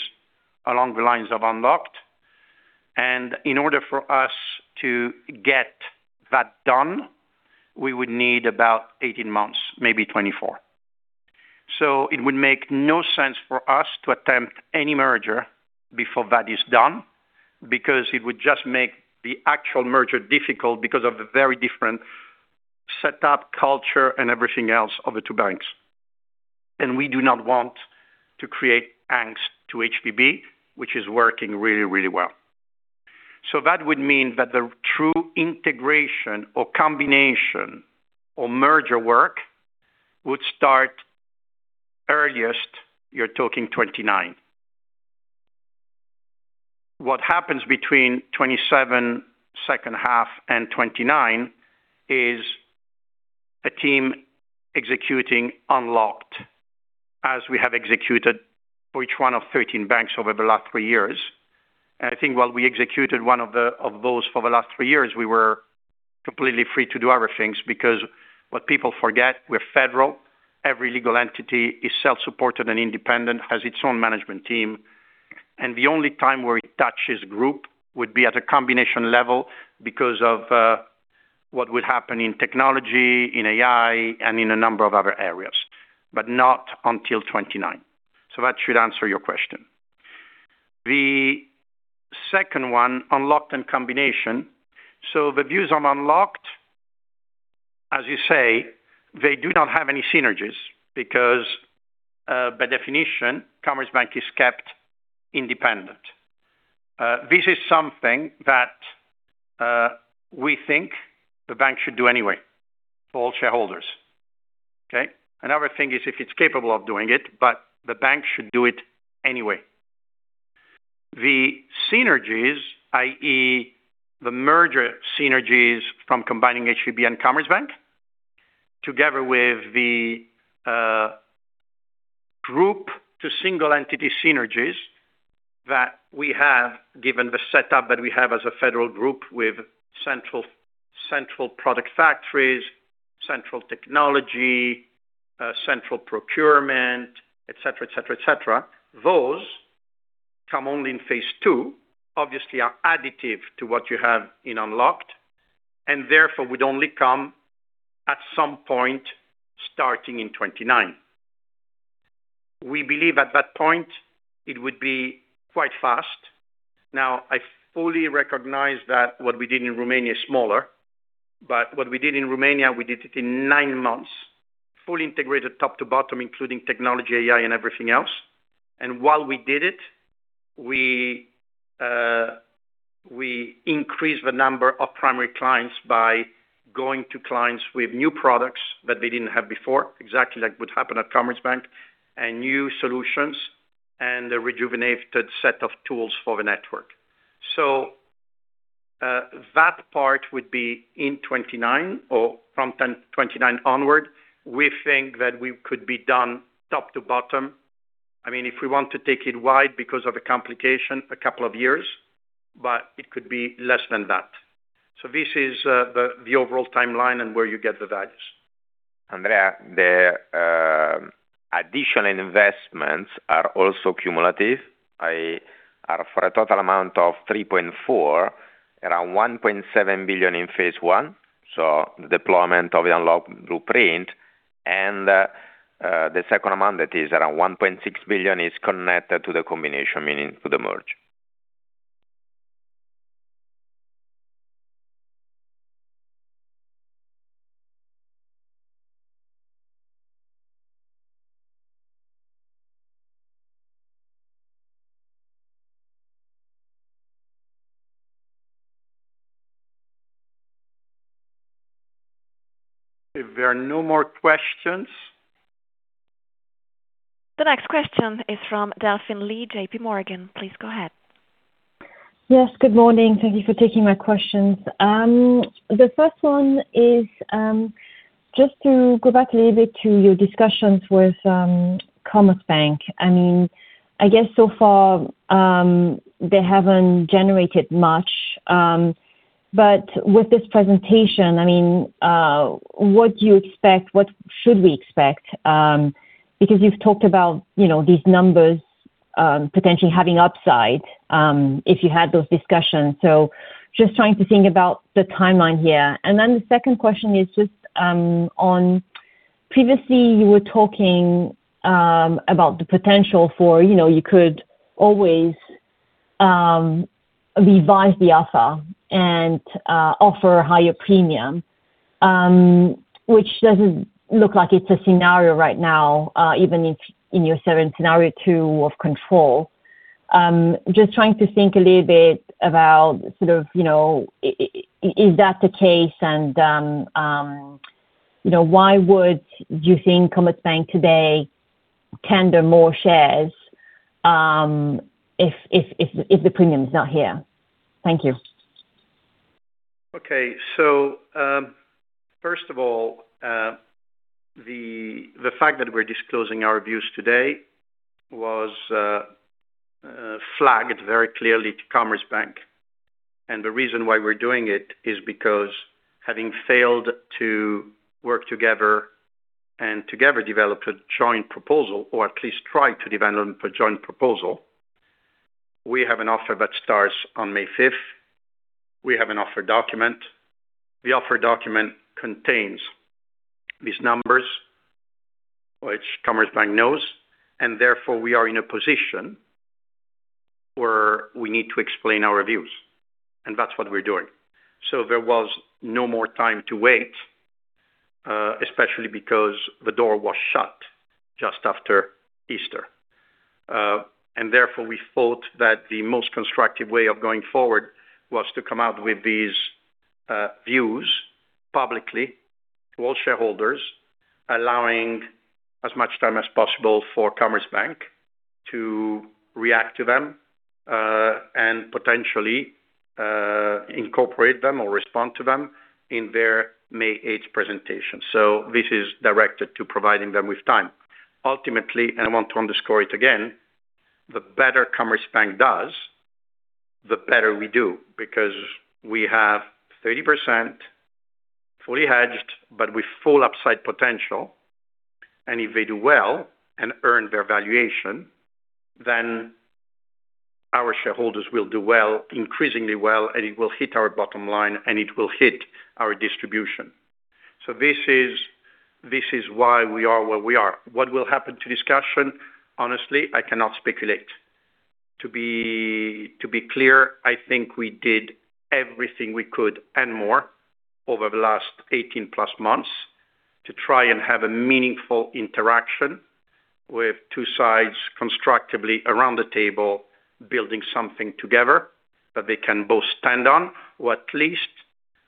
along the lines of Unlocked, and in order for us to get that done, we would need about 18 months, maybe 24. It would make no sense for us to attempt any merger before that is done, because it would just make the actual merger difficult because of the very different setup, culture, and everything else of the two banks. We do not want to create angst to HVB, which is working really, really well. That would mean that the true integration or combination or merger work would start earliest, you're talking 2029. What happens between 2027 second half and 2029 is a team executing Unlocked as we have executed for each one of 13 banks over the last three years. I think while we executed one of those for the last three years, we were completely free to do other things because what people forget, we're federal. Every legal entity is self-supported and independent, has its own management team. The only time where it touches group would be at a combination level because of what would happen in technology, in AI, and in a number of other areas, but not until 2029. That should answer your question. The second one, Unlocked and combination. The views on Unlocked, as you say, they do not have any synergies because, by definition, Commerzbank is kept independent. This is something that we think the bank should do anyway for all shareholders. Okay? Another thing is if it's capable of doing it, but the bank should do it anyway. The synergies, i.e., the merger synergies from combining HVB and Commerzbank, together with the group to single entity synergies that we have given the setup that we have as a federal group with central product factories, central technology, central procurement, et cetera. Those come only in phase two, obviously are additive to what you have in Unlocked, and therefore would only come at some point starting in 2029. We believe at that point it would be quite fast. Now, I fully recognize that what we did in Romania is smaller, but what we did in Romania, we did it in nine months, fully integrated top to bottom, including technology, AI, and everything else. While we did it, we increased the number of primary clients by going to clients with new products that they didn't have before, exactly like would happen at Commerzbank, and new solutions, and a rejuvenated set of tools for the network. That part would be in 2029 or from 2029 onward. We think that we could be done top to bottom. If we want to take it wide because of the complication, a couple of years, but it could be less than that. This is the overall timeline and where you get the values. Andrea, the additional investments are also cumulative, are for a total amount of 3.4 billion, around 1.7 billion in phase one, so the deployment of the Unlocked blueprint. The second amount that is around 1.6 billion is connected to the combination, meaning to the merger. If there are no more questions? The next question is from Delphine Lee, JPMorgan. Please go ahead. Yes. Good morning. Thank you for taking my questions. The first one is. Just to go back a little bit to your discussions with Commerzbank. I guess so far, they haven't generated much. With this presentation, what do you expect? What should we expect? Because you've talked about these numbers potentially having upside if you had those discussions. Just trying to think about the timeline here. Then the second question is just on, previously you were talking about the potential for you could always revise the offer and offer a higher premium, which doesn't look like it's a scenario right now, even in your certain scenario two of control. Just trying to think a little bit about sort of, is that the case and why would you think Commerzbank today tender more shares if the premium is not here? Thank you. Okay. First of all, the fact that we're disclosing our views today was flagged very clearly to Commerzbank. The reason why we're doing it is because having failed to work together and together develop a joint proposal, or at least try to develop a joint proposal, we have an offer that starts on May 5th. We have an offer document. The offer document contains these numbers, which Commerzbank knows, and therefore we are in a position where we need to explain our views, and that's what we're doing. There was no more time to wait, especially because the door was shut just after Easter. Therefore we thought that the most constructive way of going forward was to come out with these views publicly to all shareholders, allowing as much time as possible for Commerzbank to react to them, and potentially incorporate them or respond to them in their May 8th presentation. This is directed to providing them with time. Ultimately, and I want to underscore it again, the better Commerzbank does, the better we do, because we have 30% fully hedged, but with full upside potential. If they do well and earn their valuation, then our shareholders will do well, increasingly well, and it will hit our bottom line and it will hit our distribution. This is why we are where we are. What will happen to discussion? Honestly, I cannot speculate. To be clear, I think we did everything we could and more over the last 18+ months to try and have a meaningful interaction with two sides constructively around the table, building something together that they can both stand on, or at least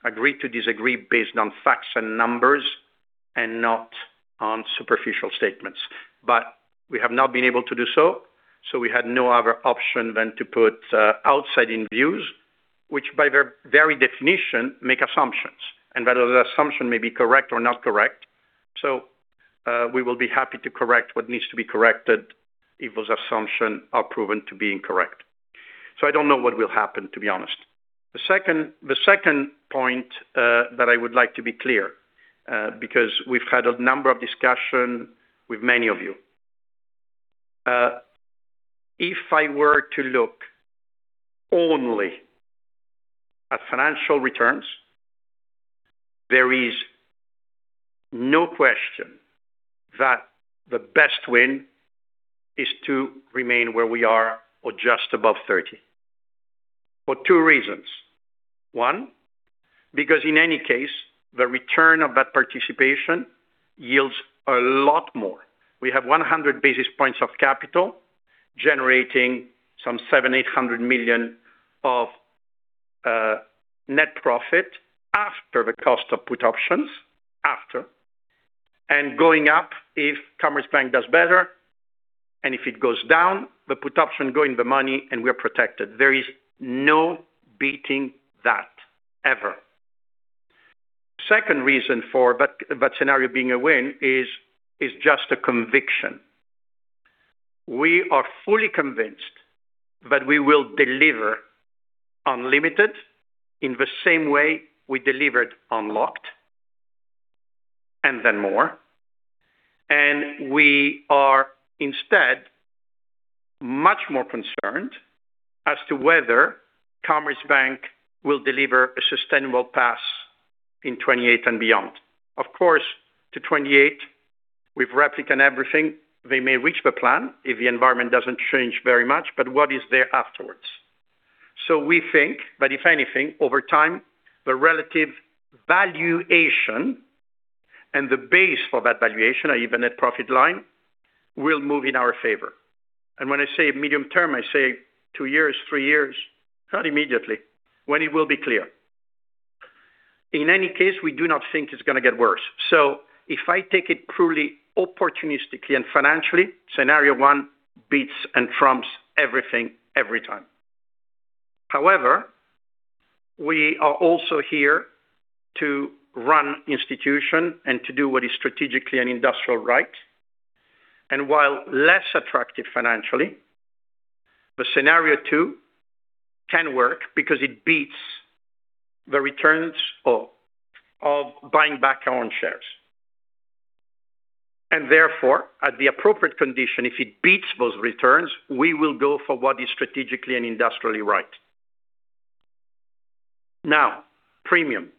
agree to disagree based on facts and numbers and not on superficial statements. We have not been able to do so we had no other option than to put outside in views, which by their very definition, make assumptions, and whether the assumption may be correct or not correct. We will be happy to correct what needs to be corrected if those assumptions are proven to be incorrect. I don't know what will happen, to be honest. The second point that I would like to be clear, because we've had a number of discussions with many of you. If I were to look only at financial returns, there is no question that the best win is to remain where we are or just above 30. For two reasons. One, because in any case, the return of that participation yields a lot more. We have 100 basis points of capital generating some 700-800 million of net profit after the cost of put options, and going up if Commerzbank does better. If it goes down, the put option going in the money and we are protected. There is no beating that, ever. Second reason for that scenario being a win is just a conviction. We are fully convinced that we will deliver Unlimited in the same way we delivered Unlocked, and then more. We are instead much more concerned as to whether Commerzbank will deliver a sustainable path in 2028 and beyond. Of course, to 2028, with replicating portfolio and everything, they may reach the plan if the environment doesn't change very much, but what is there afterwards? We think that if anything, over time, the relative valuation and the base for that valuation or even net profit line, will move in our favor. When I say medium term, I say two years, three years, not immediately, when it will be clear. In any case, we do not think it's going to get worse. If I take it purely opportunistically and financially, scenario one beats and trumps everything every time. However, we are also here to run the institution and to do what is strategically and industrially right. While less attractive financially, scenario two can work because it beats the returns of buying back our own shares. Therefore, at the appropriate condition, if it beats those returns, we will go for what is strategically and industrially right. Now, premium.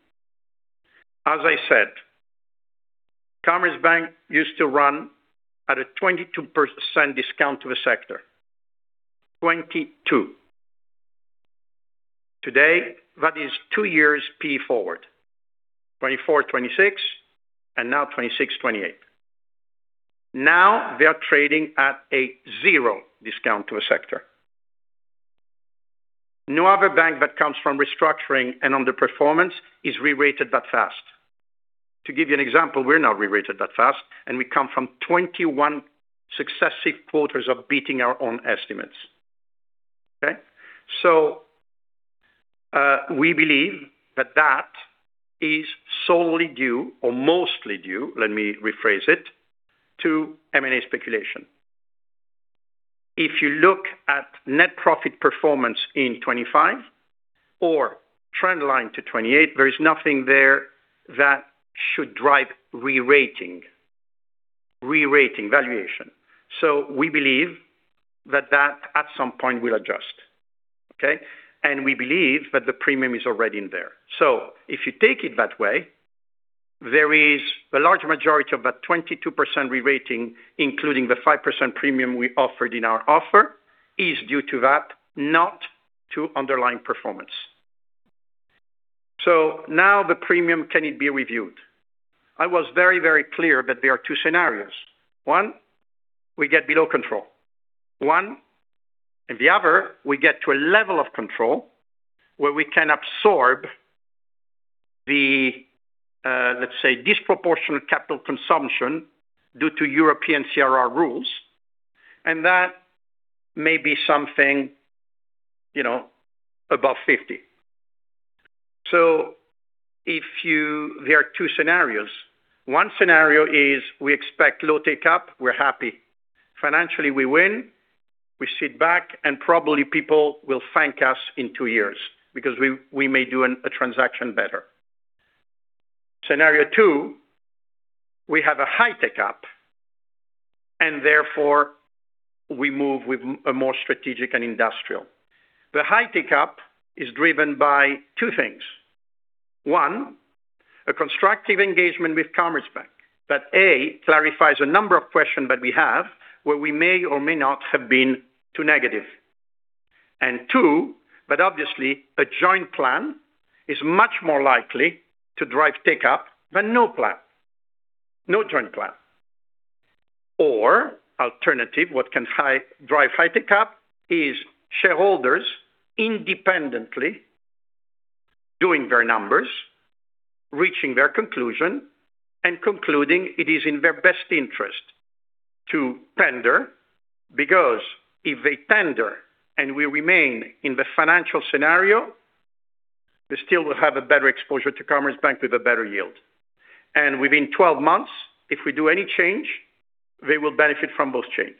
As I said, Commerzbank used to run at a 22% discount to the sector, 2022. Today, that is 2 years P/E forward, 2024-2026, and now 2026-2028. Now they are trading at a 0 discount to the sector. No other bank that comes from restructuring and underperformance is re-rated that fast. To give you an example, we're not re-rated that fast, and we come from 21 successive quarters of beating our own estimates. Okay? So we believe that is solely due or mostly due, let me rephrase it, to M&A speculation. If you look at net profit performance in 2025 or trend line to 2028, there is nothing there that should drive re-rating valuation. So we believe that at some point we'll adjust. Okay? We believe that the premium is already in there. If you take it that way, there is a large majority of that 22% re-rating, including the 5% premium we offered in our offer, is due to that, not to underlying performance. Now the premium can be reviewed. I was very, very clear that there are two scenarios. One, we get below control. One, and the other, we get to a level of control where we can absorb the, let's say, disproportionate capital consumption due to European CRR rules, and that may be something above 50%. There are two scenarios. One scenario is we expect low take-up, we're happy. Financially, we win, we sit back, and probably people will thank us in two years because we may do a transaction better. Scenario two, we have a high take-up, and therefore we move with a more strategic and industrial. The high take-up is driven by two things. One, a constructive engagement with Commerzbank, that, A, clarifies a number of questions that we have where we may or may not have been too negative. Two, but obviously a joint plan is much more likely to drive take-up than no plan, no joint plan. Or, alternatively, what can drive high take-up is shareholders independently doing their numbers, reaching their conclusion, and concluding it is in their best interest to tender, because if they tender and we remain in the financial scenario, they still will have a better exposure to Commerzbank with a better yield. Within 12 months, if we do any change, they will benefit from both change.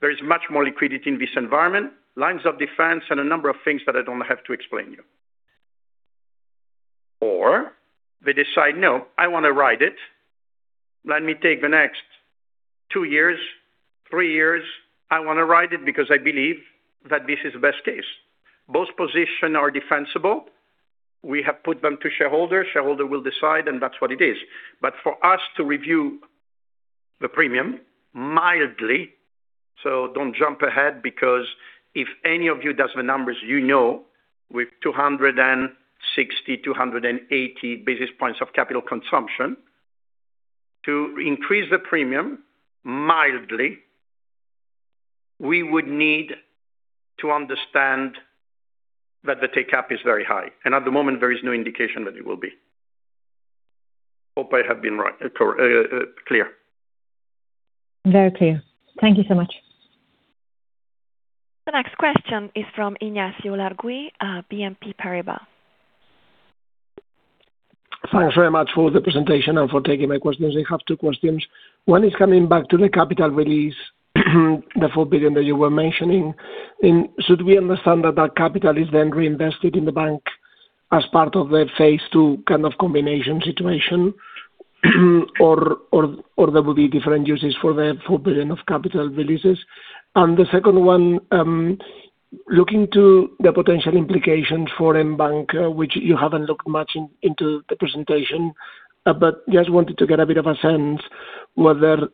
There is much more liquidity in this environment, lines of defense and a number of things that I don't have to explain to you. They decide, "No, I want to ride it. Let me take the next two years, three years. I want to ride it because I believe that this is the best case." Both positions are defensible. We have put them to shareholders. Shareholders will decide, and that's what it is. For us to review the premium mildly, so don't jump ahead, because if any of you does the numbers, you know, with 260, 280 basis points of capital consumption, to increase the premium mildly, we would need to understand that the take-up is very high. At the moment, there is no indication that it will be. Hope I have been clear. Very clear. Thank you so much. The next question is from Ignacio Ulargui, BNP Paribas. Thanks very much for the presentation and for taking my questions. I have two questions. One is coming back to the capital release, the 4 billion that you were mentioning. Should we understand that capital is then reinvested in the bank as part of the phase two kind of combination situation? There will be different uses for the 4 billion of capital releases? The second one, looking to the potential implications for mBank, which you haven't looked much into the presentation, but just wanted to get a bit of a sense whether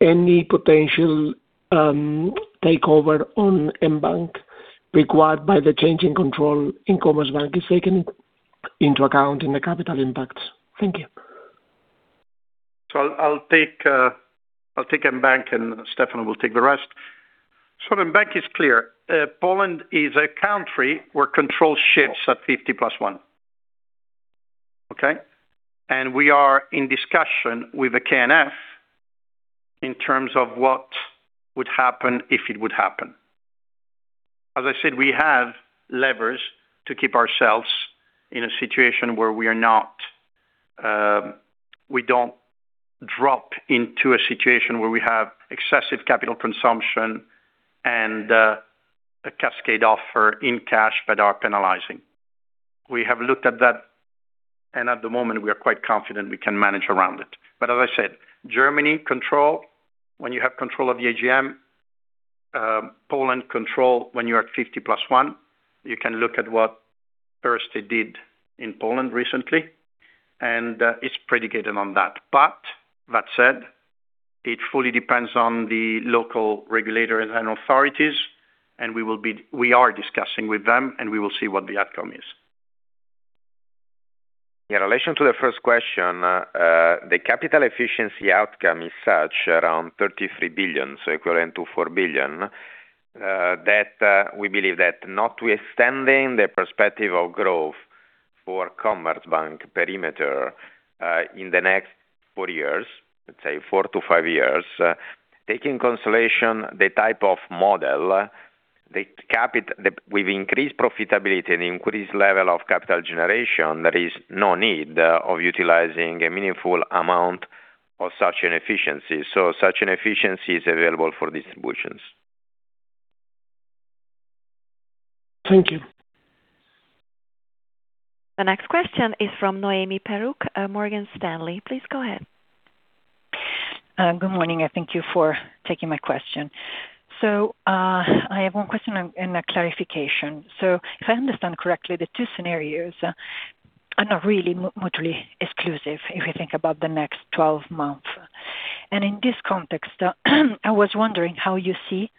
any potential takeover on mBank required by the change in control in Commerzbank is taken into account in the capital impacts. Thank you. I'll take mBank, and Stefano will take the rest. mBank is clear. Poland is a country where control shifts at 50% + 1. Okay. We are in discussion with the KNF in terms of what would happen if it would happen. As I said, we have levers to keep ourselves in a situation where we don't drop into a situation where we have excessive capital consumption and a cascade offer in cash that are penalizing. We have looked at that, and at the moment, we are quite confident we can manage around it. As I said, German control, when you have control of the AGM, Poland control, when you're at 50% + 1, you can look at what Erste did in Poland recently, and it's predicated on that. That said, it fully depends on the local regulators and authorities, and we are discussing with them, and we will see what the outcome is. In relation to the first question, the capital efficiency outcome is such around 33 billion, so equivalent to 4 billion, that we believe that notwithstanding the perspective of growth for Commerzbank perimeter in the next four years, let's say four to five years, taking into consideration the type of model, with increased profitability and increased level of capital generation, there is no need of utilizing a meaningful amount of such an efficiency. Such an efficiency is available for distributions. Thank you. The next question is from Noemi Peruch, Morgan Stanley. Please go ahead. Good morning, and thank you for taking my question. I have one question and a clarification. If I understand correctly, the two scenarios are not really mutually exclusive if we think about the next 12 months. In this context, I was wondering how you see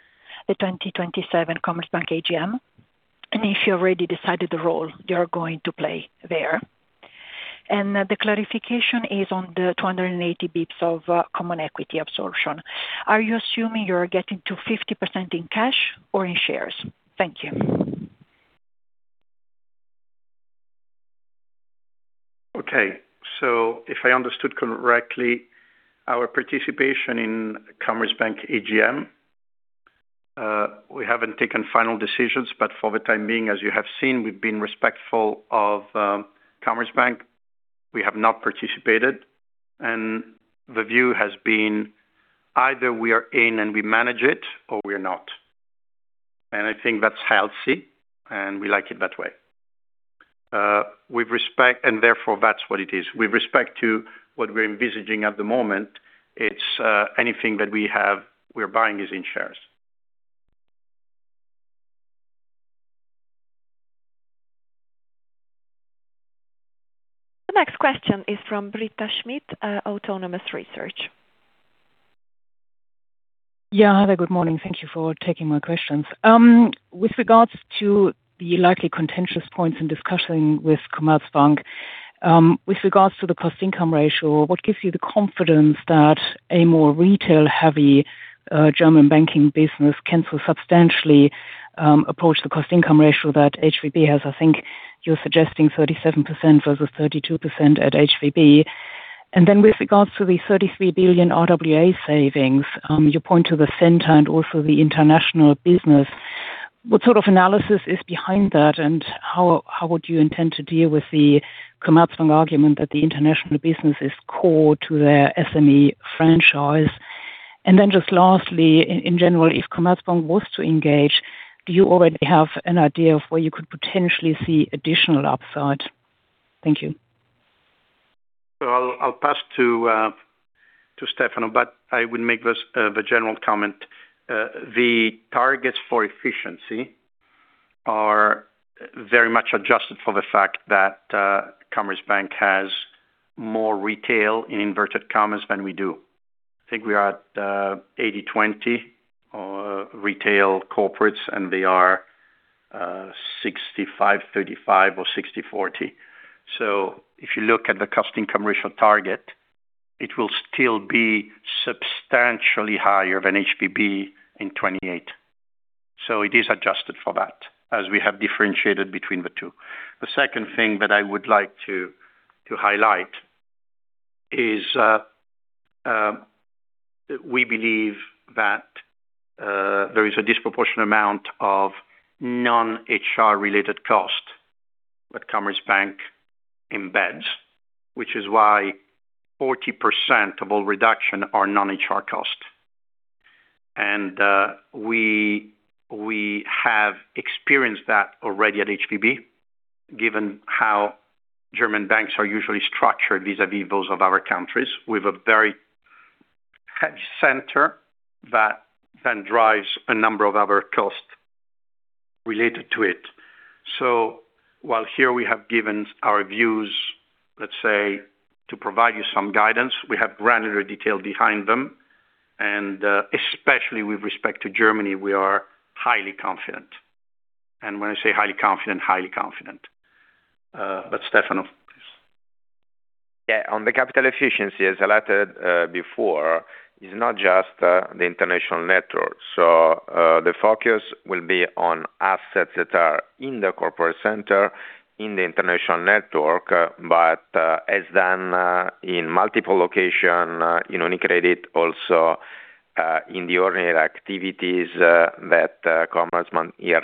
the 2027 Commerzbank AGM, and if you already decided the role you're going to play there. The clarification is on the 280 basis points of common equity absorption. Are you assuming you're getting to 50% in cash or in shares? Thank you. Okay. If I understood correctly, our participation in Commerzbank AGM, we haven't taken final decisions, but for the time being, as you have seen, we've been respectful of Commerzbank. We have not participated, and the view has been either we are in and we manage it, or we are not. I think that's healthy, and we like it that way. Therefore, that's what it is. With respect to what we're envisaging at the moment, it's anything that we have, we're buying is in shares. The next question is from Britta Schmidt, Autonomous Research. Yeah. Hi there. Good morning. Thank you for taking my questions. With regards to the likely contentious points in discussion with Commerzbank, with regards to the cost-income ratio, what gives you the confidence that a more retail-heavy German banking business can substantially approach the cost-income ratio that HVB has? I think you're suggesting 37% versus 32% at HVB. With regards to the 33 billion RWA savings, you point to the center and also the international business. What sort of analysis is behind that, and how would you intend to deal with the Commerzbank argument that the international business is core to their SME franchise? Just lastly, in general, if Commerzbank was to engage, do you already have an idea of where you could potentially see additional upside? Thank you. I'll pass to Stefano, but I would make the general comment. The targets for efficiency are very much adjusted for the fact that Commerzbank has more retail and commercial than we do. I think we are at 80/20 retail corporates, and they are 65/35 or 60/40. If you look at the cost-income ratio target, it will still be substantially higher than HVB in 2028. It is adjusted for that as we have differentiated between the two. The second thing that I would like to highlight is we believe that there is a disproportionate amount of non-HR related cost that Commerzbank embeds, which is why 40% of all reduction are non-HR cost. We have experienced that already at HVB, given how German banks are usually structured vis-à-vis those of our countries with a very heavy center that then drives a number of other costs related to it. While here we have given our views, let's say, to provide you some guidance, we have granular detail behind them. Especially with respect to Germany, we are highly confident. When I say highly confident. Stefano, please. Yeah, on the capital efficiency, as I said before, it's not just the international network. The focus will be on assets that are in the corporate center, in the international network, but as done in multiple occasions, UniCredit also, in the ordinary activities that Commerzbank is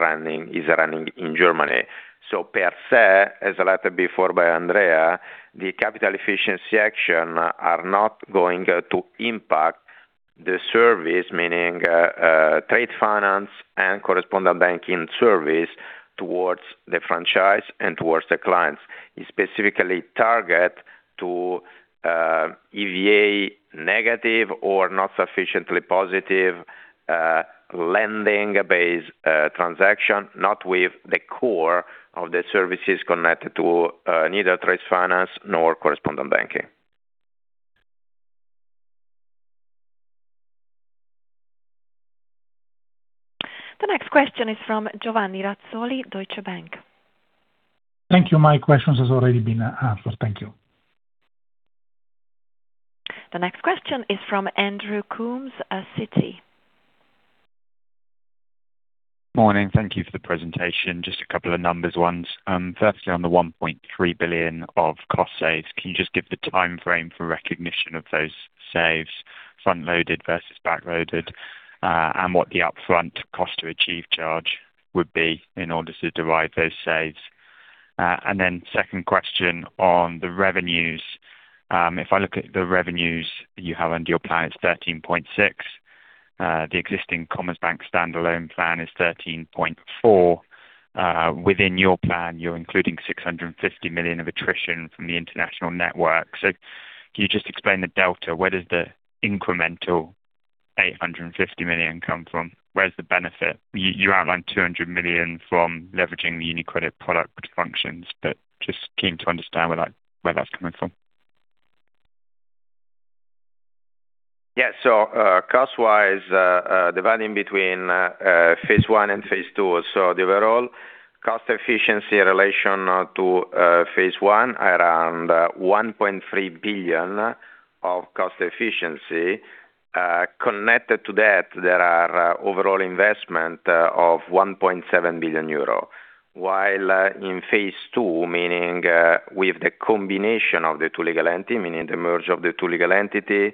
running in Germany. Per se, as said before by Andrea, the capital efficiency actions are not going to impact the services, meaning trade finance and correspondent banking services towards the franchise and towards the clients. It specifically targets EVA negative or not sufficiently positive, lending-based transactions, not with the core of the services connected to neither trade finance nor correspondent banking. The next question is from Giovanni Razzoli, Deutsche Bank. Thank you. My questions has already been answered. Thank you. The next question is from Andrew Coombs of Citi. Morning. Thank you for the presentation. Just a couple of questions. Firstly, on the 1.3 billion of cost saves, can you just give the time frame for recognition of those saves, front-loaded versus back-loaded, and what the upfront cost to achieve charge would be in order to derive those saves? Second question on the revenues. If I look at the revenues you have under your plan is 13.6 billion. The existing Commerzbank standalone plan is 13.4 billion. Within your plan, you're including 650 million of attrition from the international network. Can you just explain the delta? Where does the incremental 850 million come from? Where's the benefit? You outlined 200 million from leveraging the UniCredit product functions, but just keen to understand where that's coming from. Cost-wise, dividing between phase one and phase two. The overall cost efficiency in relation to phase one, around 1.3 billion of cost efficiency. Connected to that, there are overall investment of 1.7 billion euro. While in phase two, meaning with the combination of the two legal entity, meaning the merge of the two legal entity,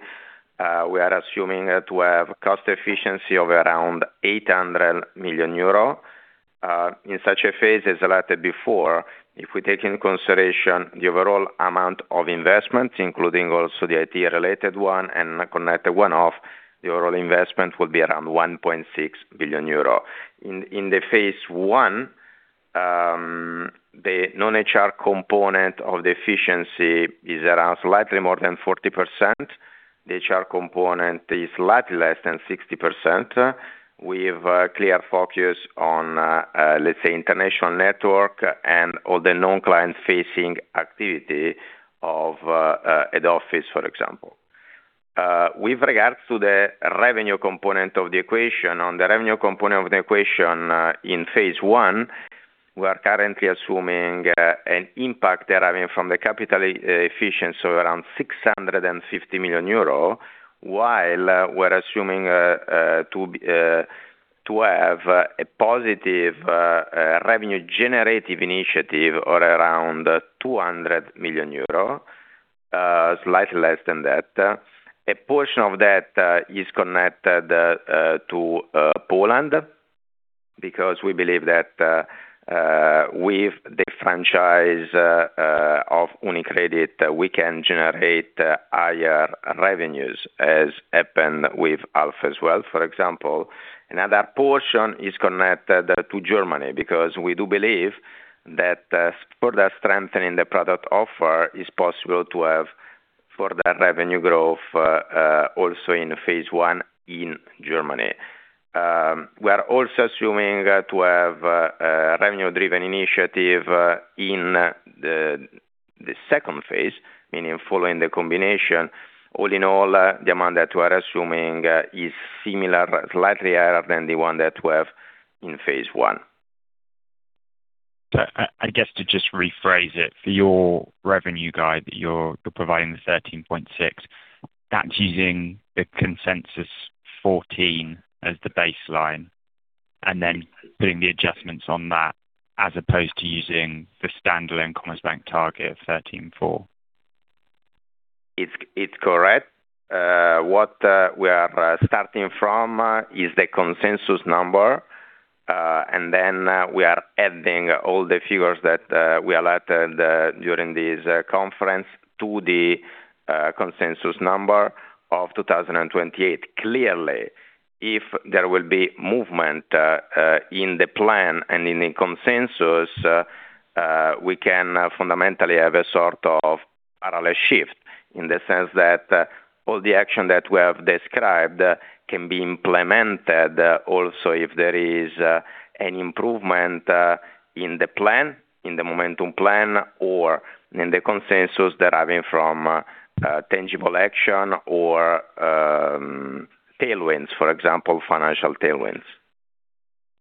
we are assuming to have cost efficiency of around 800 million euro. In such a phase, as said before, if we take into consideration the overall amount of investment, including also the IT related one and connected one-off, the overall investment will be around 1.6 billion euro. In the phase one, the non-HR component of the efficiency is around slightly more than 40%. The HR component is slightly less than 60%. We have a clear focus on, let's say, international network and all the non-client facing activity of head office, for example. On the revenue component of the equation in phase one, we are currently assuming an impact deriving from the capital efficiency of around 650 million euro, while we're assuming to have a positive revenue generative initiative of around 200 million euro, slightly less than that. A portion of that is connected to Poland, because we believe that, with the franchise of UniCredit, we can generate higher revenues as happened with Alpha as well, for example. Another portion is connected to Germany, because we do believe that further strengthening the product offer is possible to have further revenue growth, also in phase one in Germany. We are also assuming to have a revenue-driven initiative in the second phase, meaning following the combination. All in all, the amount that we're assuming is similar, slightly higher than the one that we have in phase one. I guess to just rephrase it, for your revenue guide that you're providing, the 13.6 billion, that's using the consensus 14 billion as the baseline and then putting the adjustments on that, as opposed to using the standalone Commerzbank target of EUR 13.4 billion. It's correct. What we are starting from is the consensus number, and then we are adding all the figures that we alluded to during this conference to the consensus number of 2028. Clearly, if there will be movement in the plan and in the consensus, we can fundamentally have a sort of parallel shift in the sense that all the action that we have described can be implemented also if there is an improvement in the plan, in the Momentum plan or in the consensus deriving from tangible action or tailwinds, for example, financial tailwinds.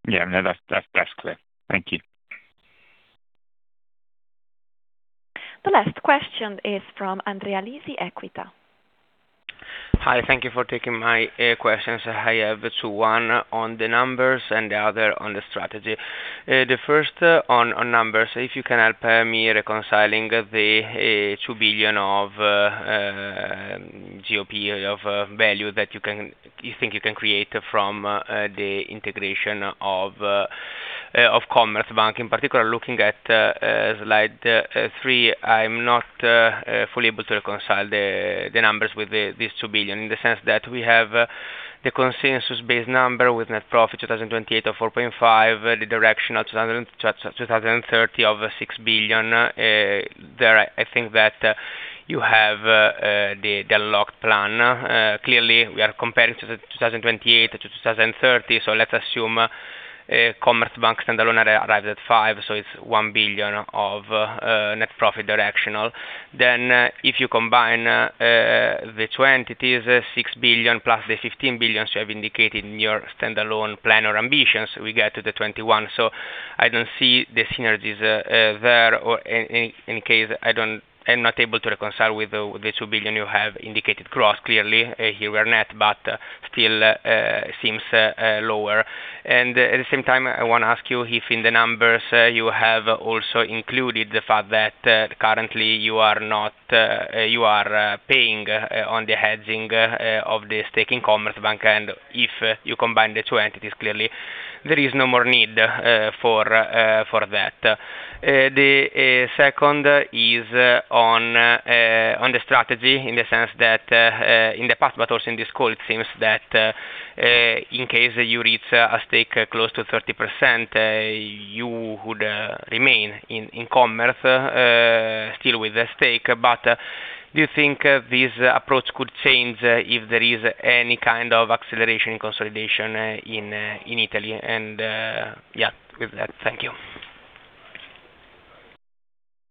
Yeah. No, that's clear. Thank you. The last question is from Andrea Lisi, EQUITA. Hi. Thank you for taking my questions. I have 2, 1 on the numbers and the other on the strategy. The first on numbers, if you can help me reconciling the 2 billion of GOP of value that you think you can create from the integration of Commerzbank. In particular, looking at slide 3, I'm not fully able to reconcile the numbers with this 2 billion, in the sense that we have the consensus base number with net profit 2028 of 4.5 billion, the directional 2030 over 6 billion. There, I think that you have the Unlocked plan. Clearly, we are comparing 2028 to 2030, so let's assume Commerzbank standalone arrives at 5 billion, so it's 1 billion of net profit directional. Then if you combine the two entities, 6 billion plus the 15 billion you have indicated in your standalone plan or ambitions, we get to the 21 billion. I don't see the synergies there or in case I'm not able to reconcile with the 2 billion you have indicated gross clearly here it is net, but still seems lower. At the same time, I want to ask you if in the numbers you have also included the fact that currently you are paying on the hedging of the stake in Commerzbank, and if you combine the two entities, clearly there is no more need for that. The second is on the strategy in the sense that in the past but also in this call, it seems that in case you reach a stake close to 30%, you would remain in Commerzbank still with the stake. Do you think this approach could change if there is any kind of accelerated consolidation in Italy? Yeah, with that. Thank you.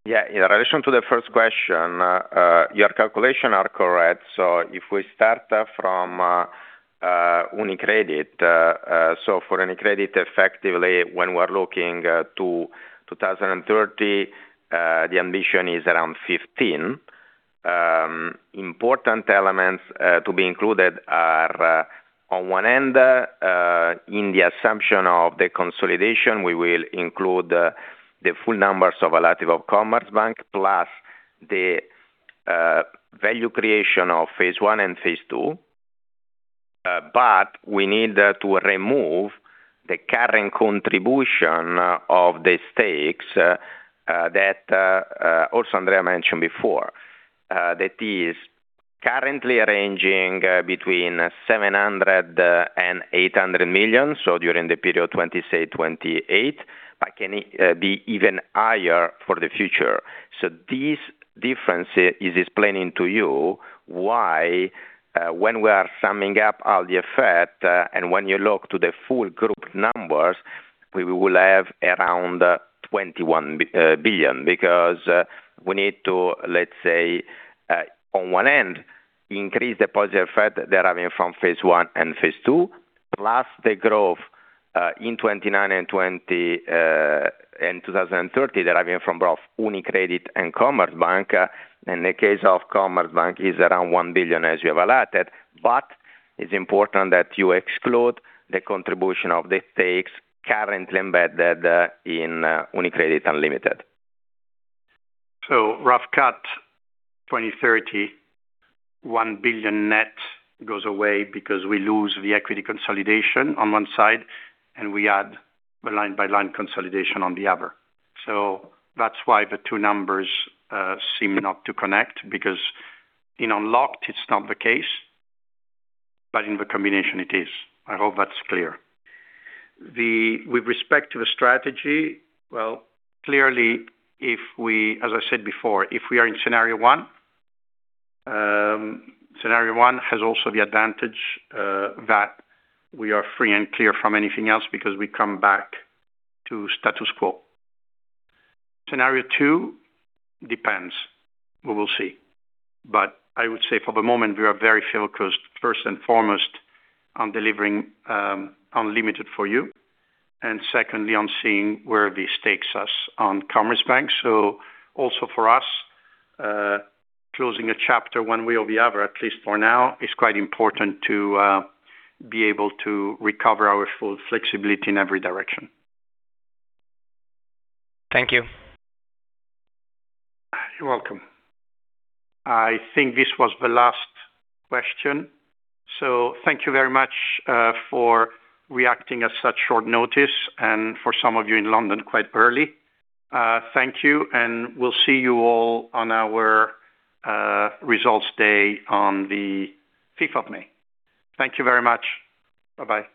Yeah. In relation to the first question, your calculations are correct. If we start from UniCredit, so for UniCredit, effectively, when we're looking to 2030, the ambition is around 15 billion. Important elements to be included are on one hand, in the assumption of the consolidation, we will include the full numbers of Commerzbank plus the value creation of phase one and phase two. We need to remove the current contribution of the stakes that also Andrea mentioned before. That is currently ranging between 700 million and 800 million, so during the period 2026-2028, but can be even higher for the future. This difference is explaining to you why when we are summing up all the effect, and when you look to the full group numbers, we will have around 21 billion because we need to, let's say, on one end, increase the positive effect deriving from phase one and phase two. Plus the growth, in 2029 and 2030 deriving from both UniCredit and Commerzbank. In the case of Commerzbank is around 1 billion, as you have alluded. But it's important that you exclude the contribution of the stakes currently embedded in UniCredit Unlimited. Rough cut 2030, 1 billion net goes away because we lose the equity consolidation on one side, and we add the line-by-line consolidation on the other. That's why the two numbers seem not to connect, because in Unlocked it's not the case. In the combination it is. I hope that's clear. With respect to the strategy, well, clearly as I said before, if we are in scenario one, scenario one has also the advantage that we are free and clear from anything else because we come back to status quo. Scenario two, depends. We will see. I would say for the moment, we are very focused first and foremost on delivering Unlimited for you, and secondly on seeing where this takes us on Commerzbank. Also for us, closing a chapter one way or the other, at least for now, is quite important to be able to recover our full flexibility in every direction. Thank you. You're welcome. I think this was the last question. Thank you very much for reacting at such short notice and for some of you in London, quite early. Thank you, and we'll see you all on our results day on the fifth of May. Thank you very much. Bye-bye.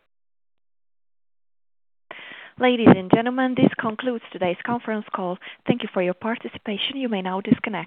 Ladies and gentlemen, this concludes today's conference call. Thank you for your participation. You may now disconnect.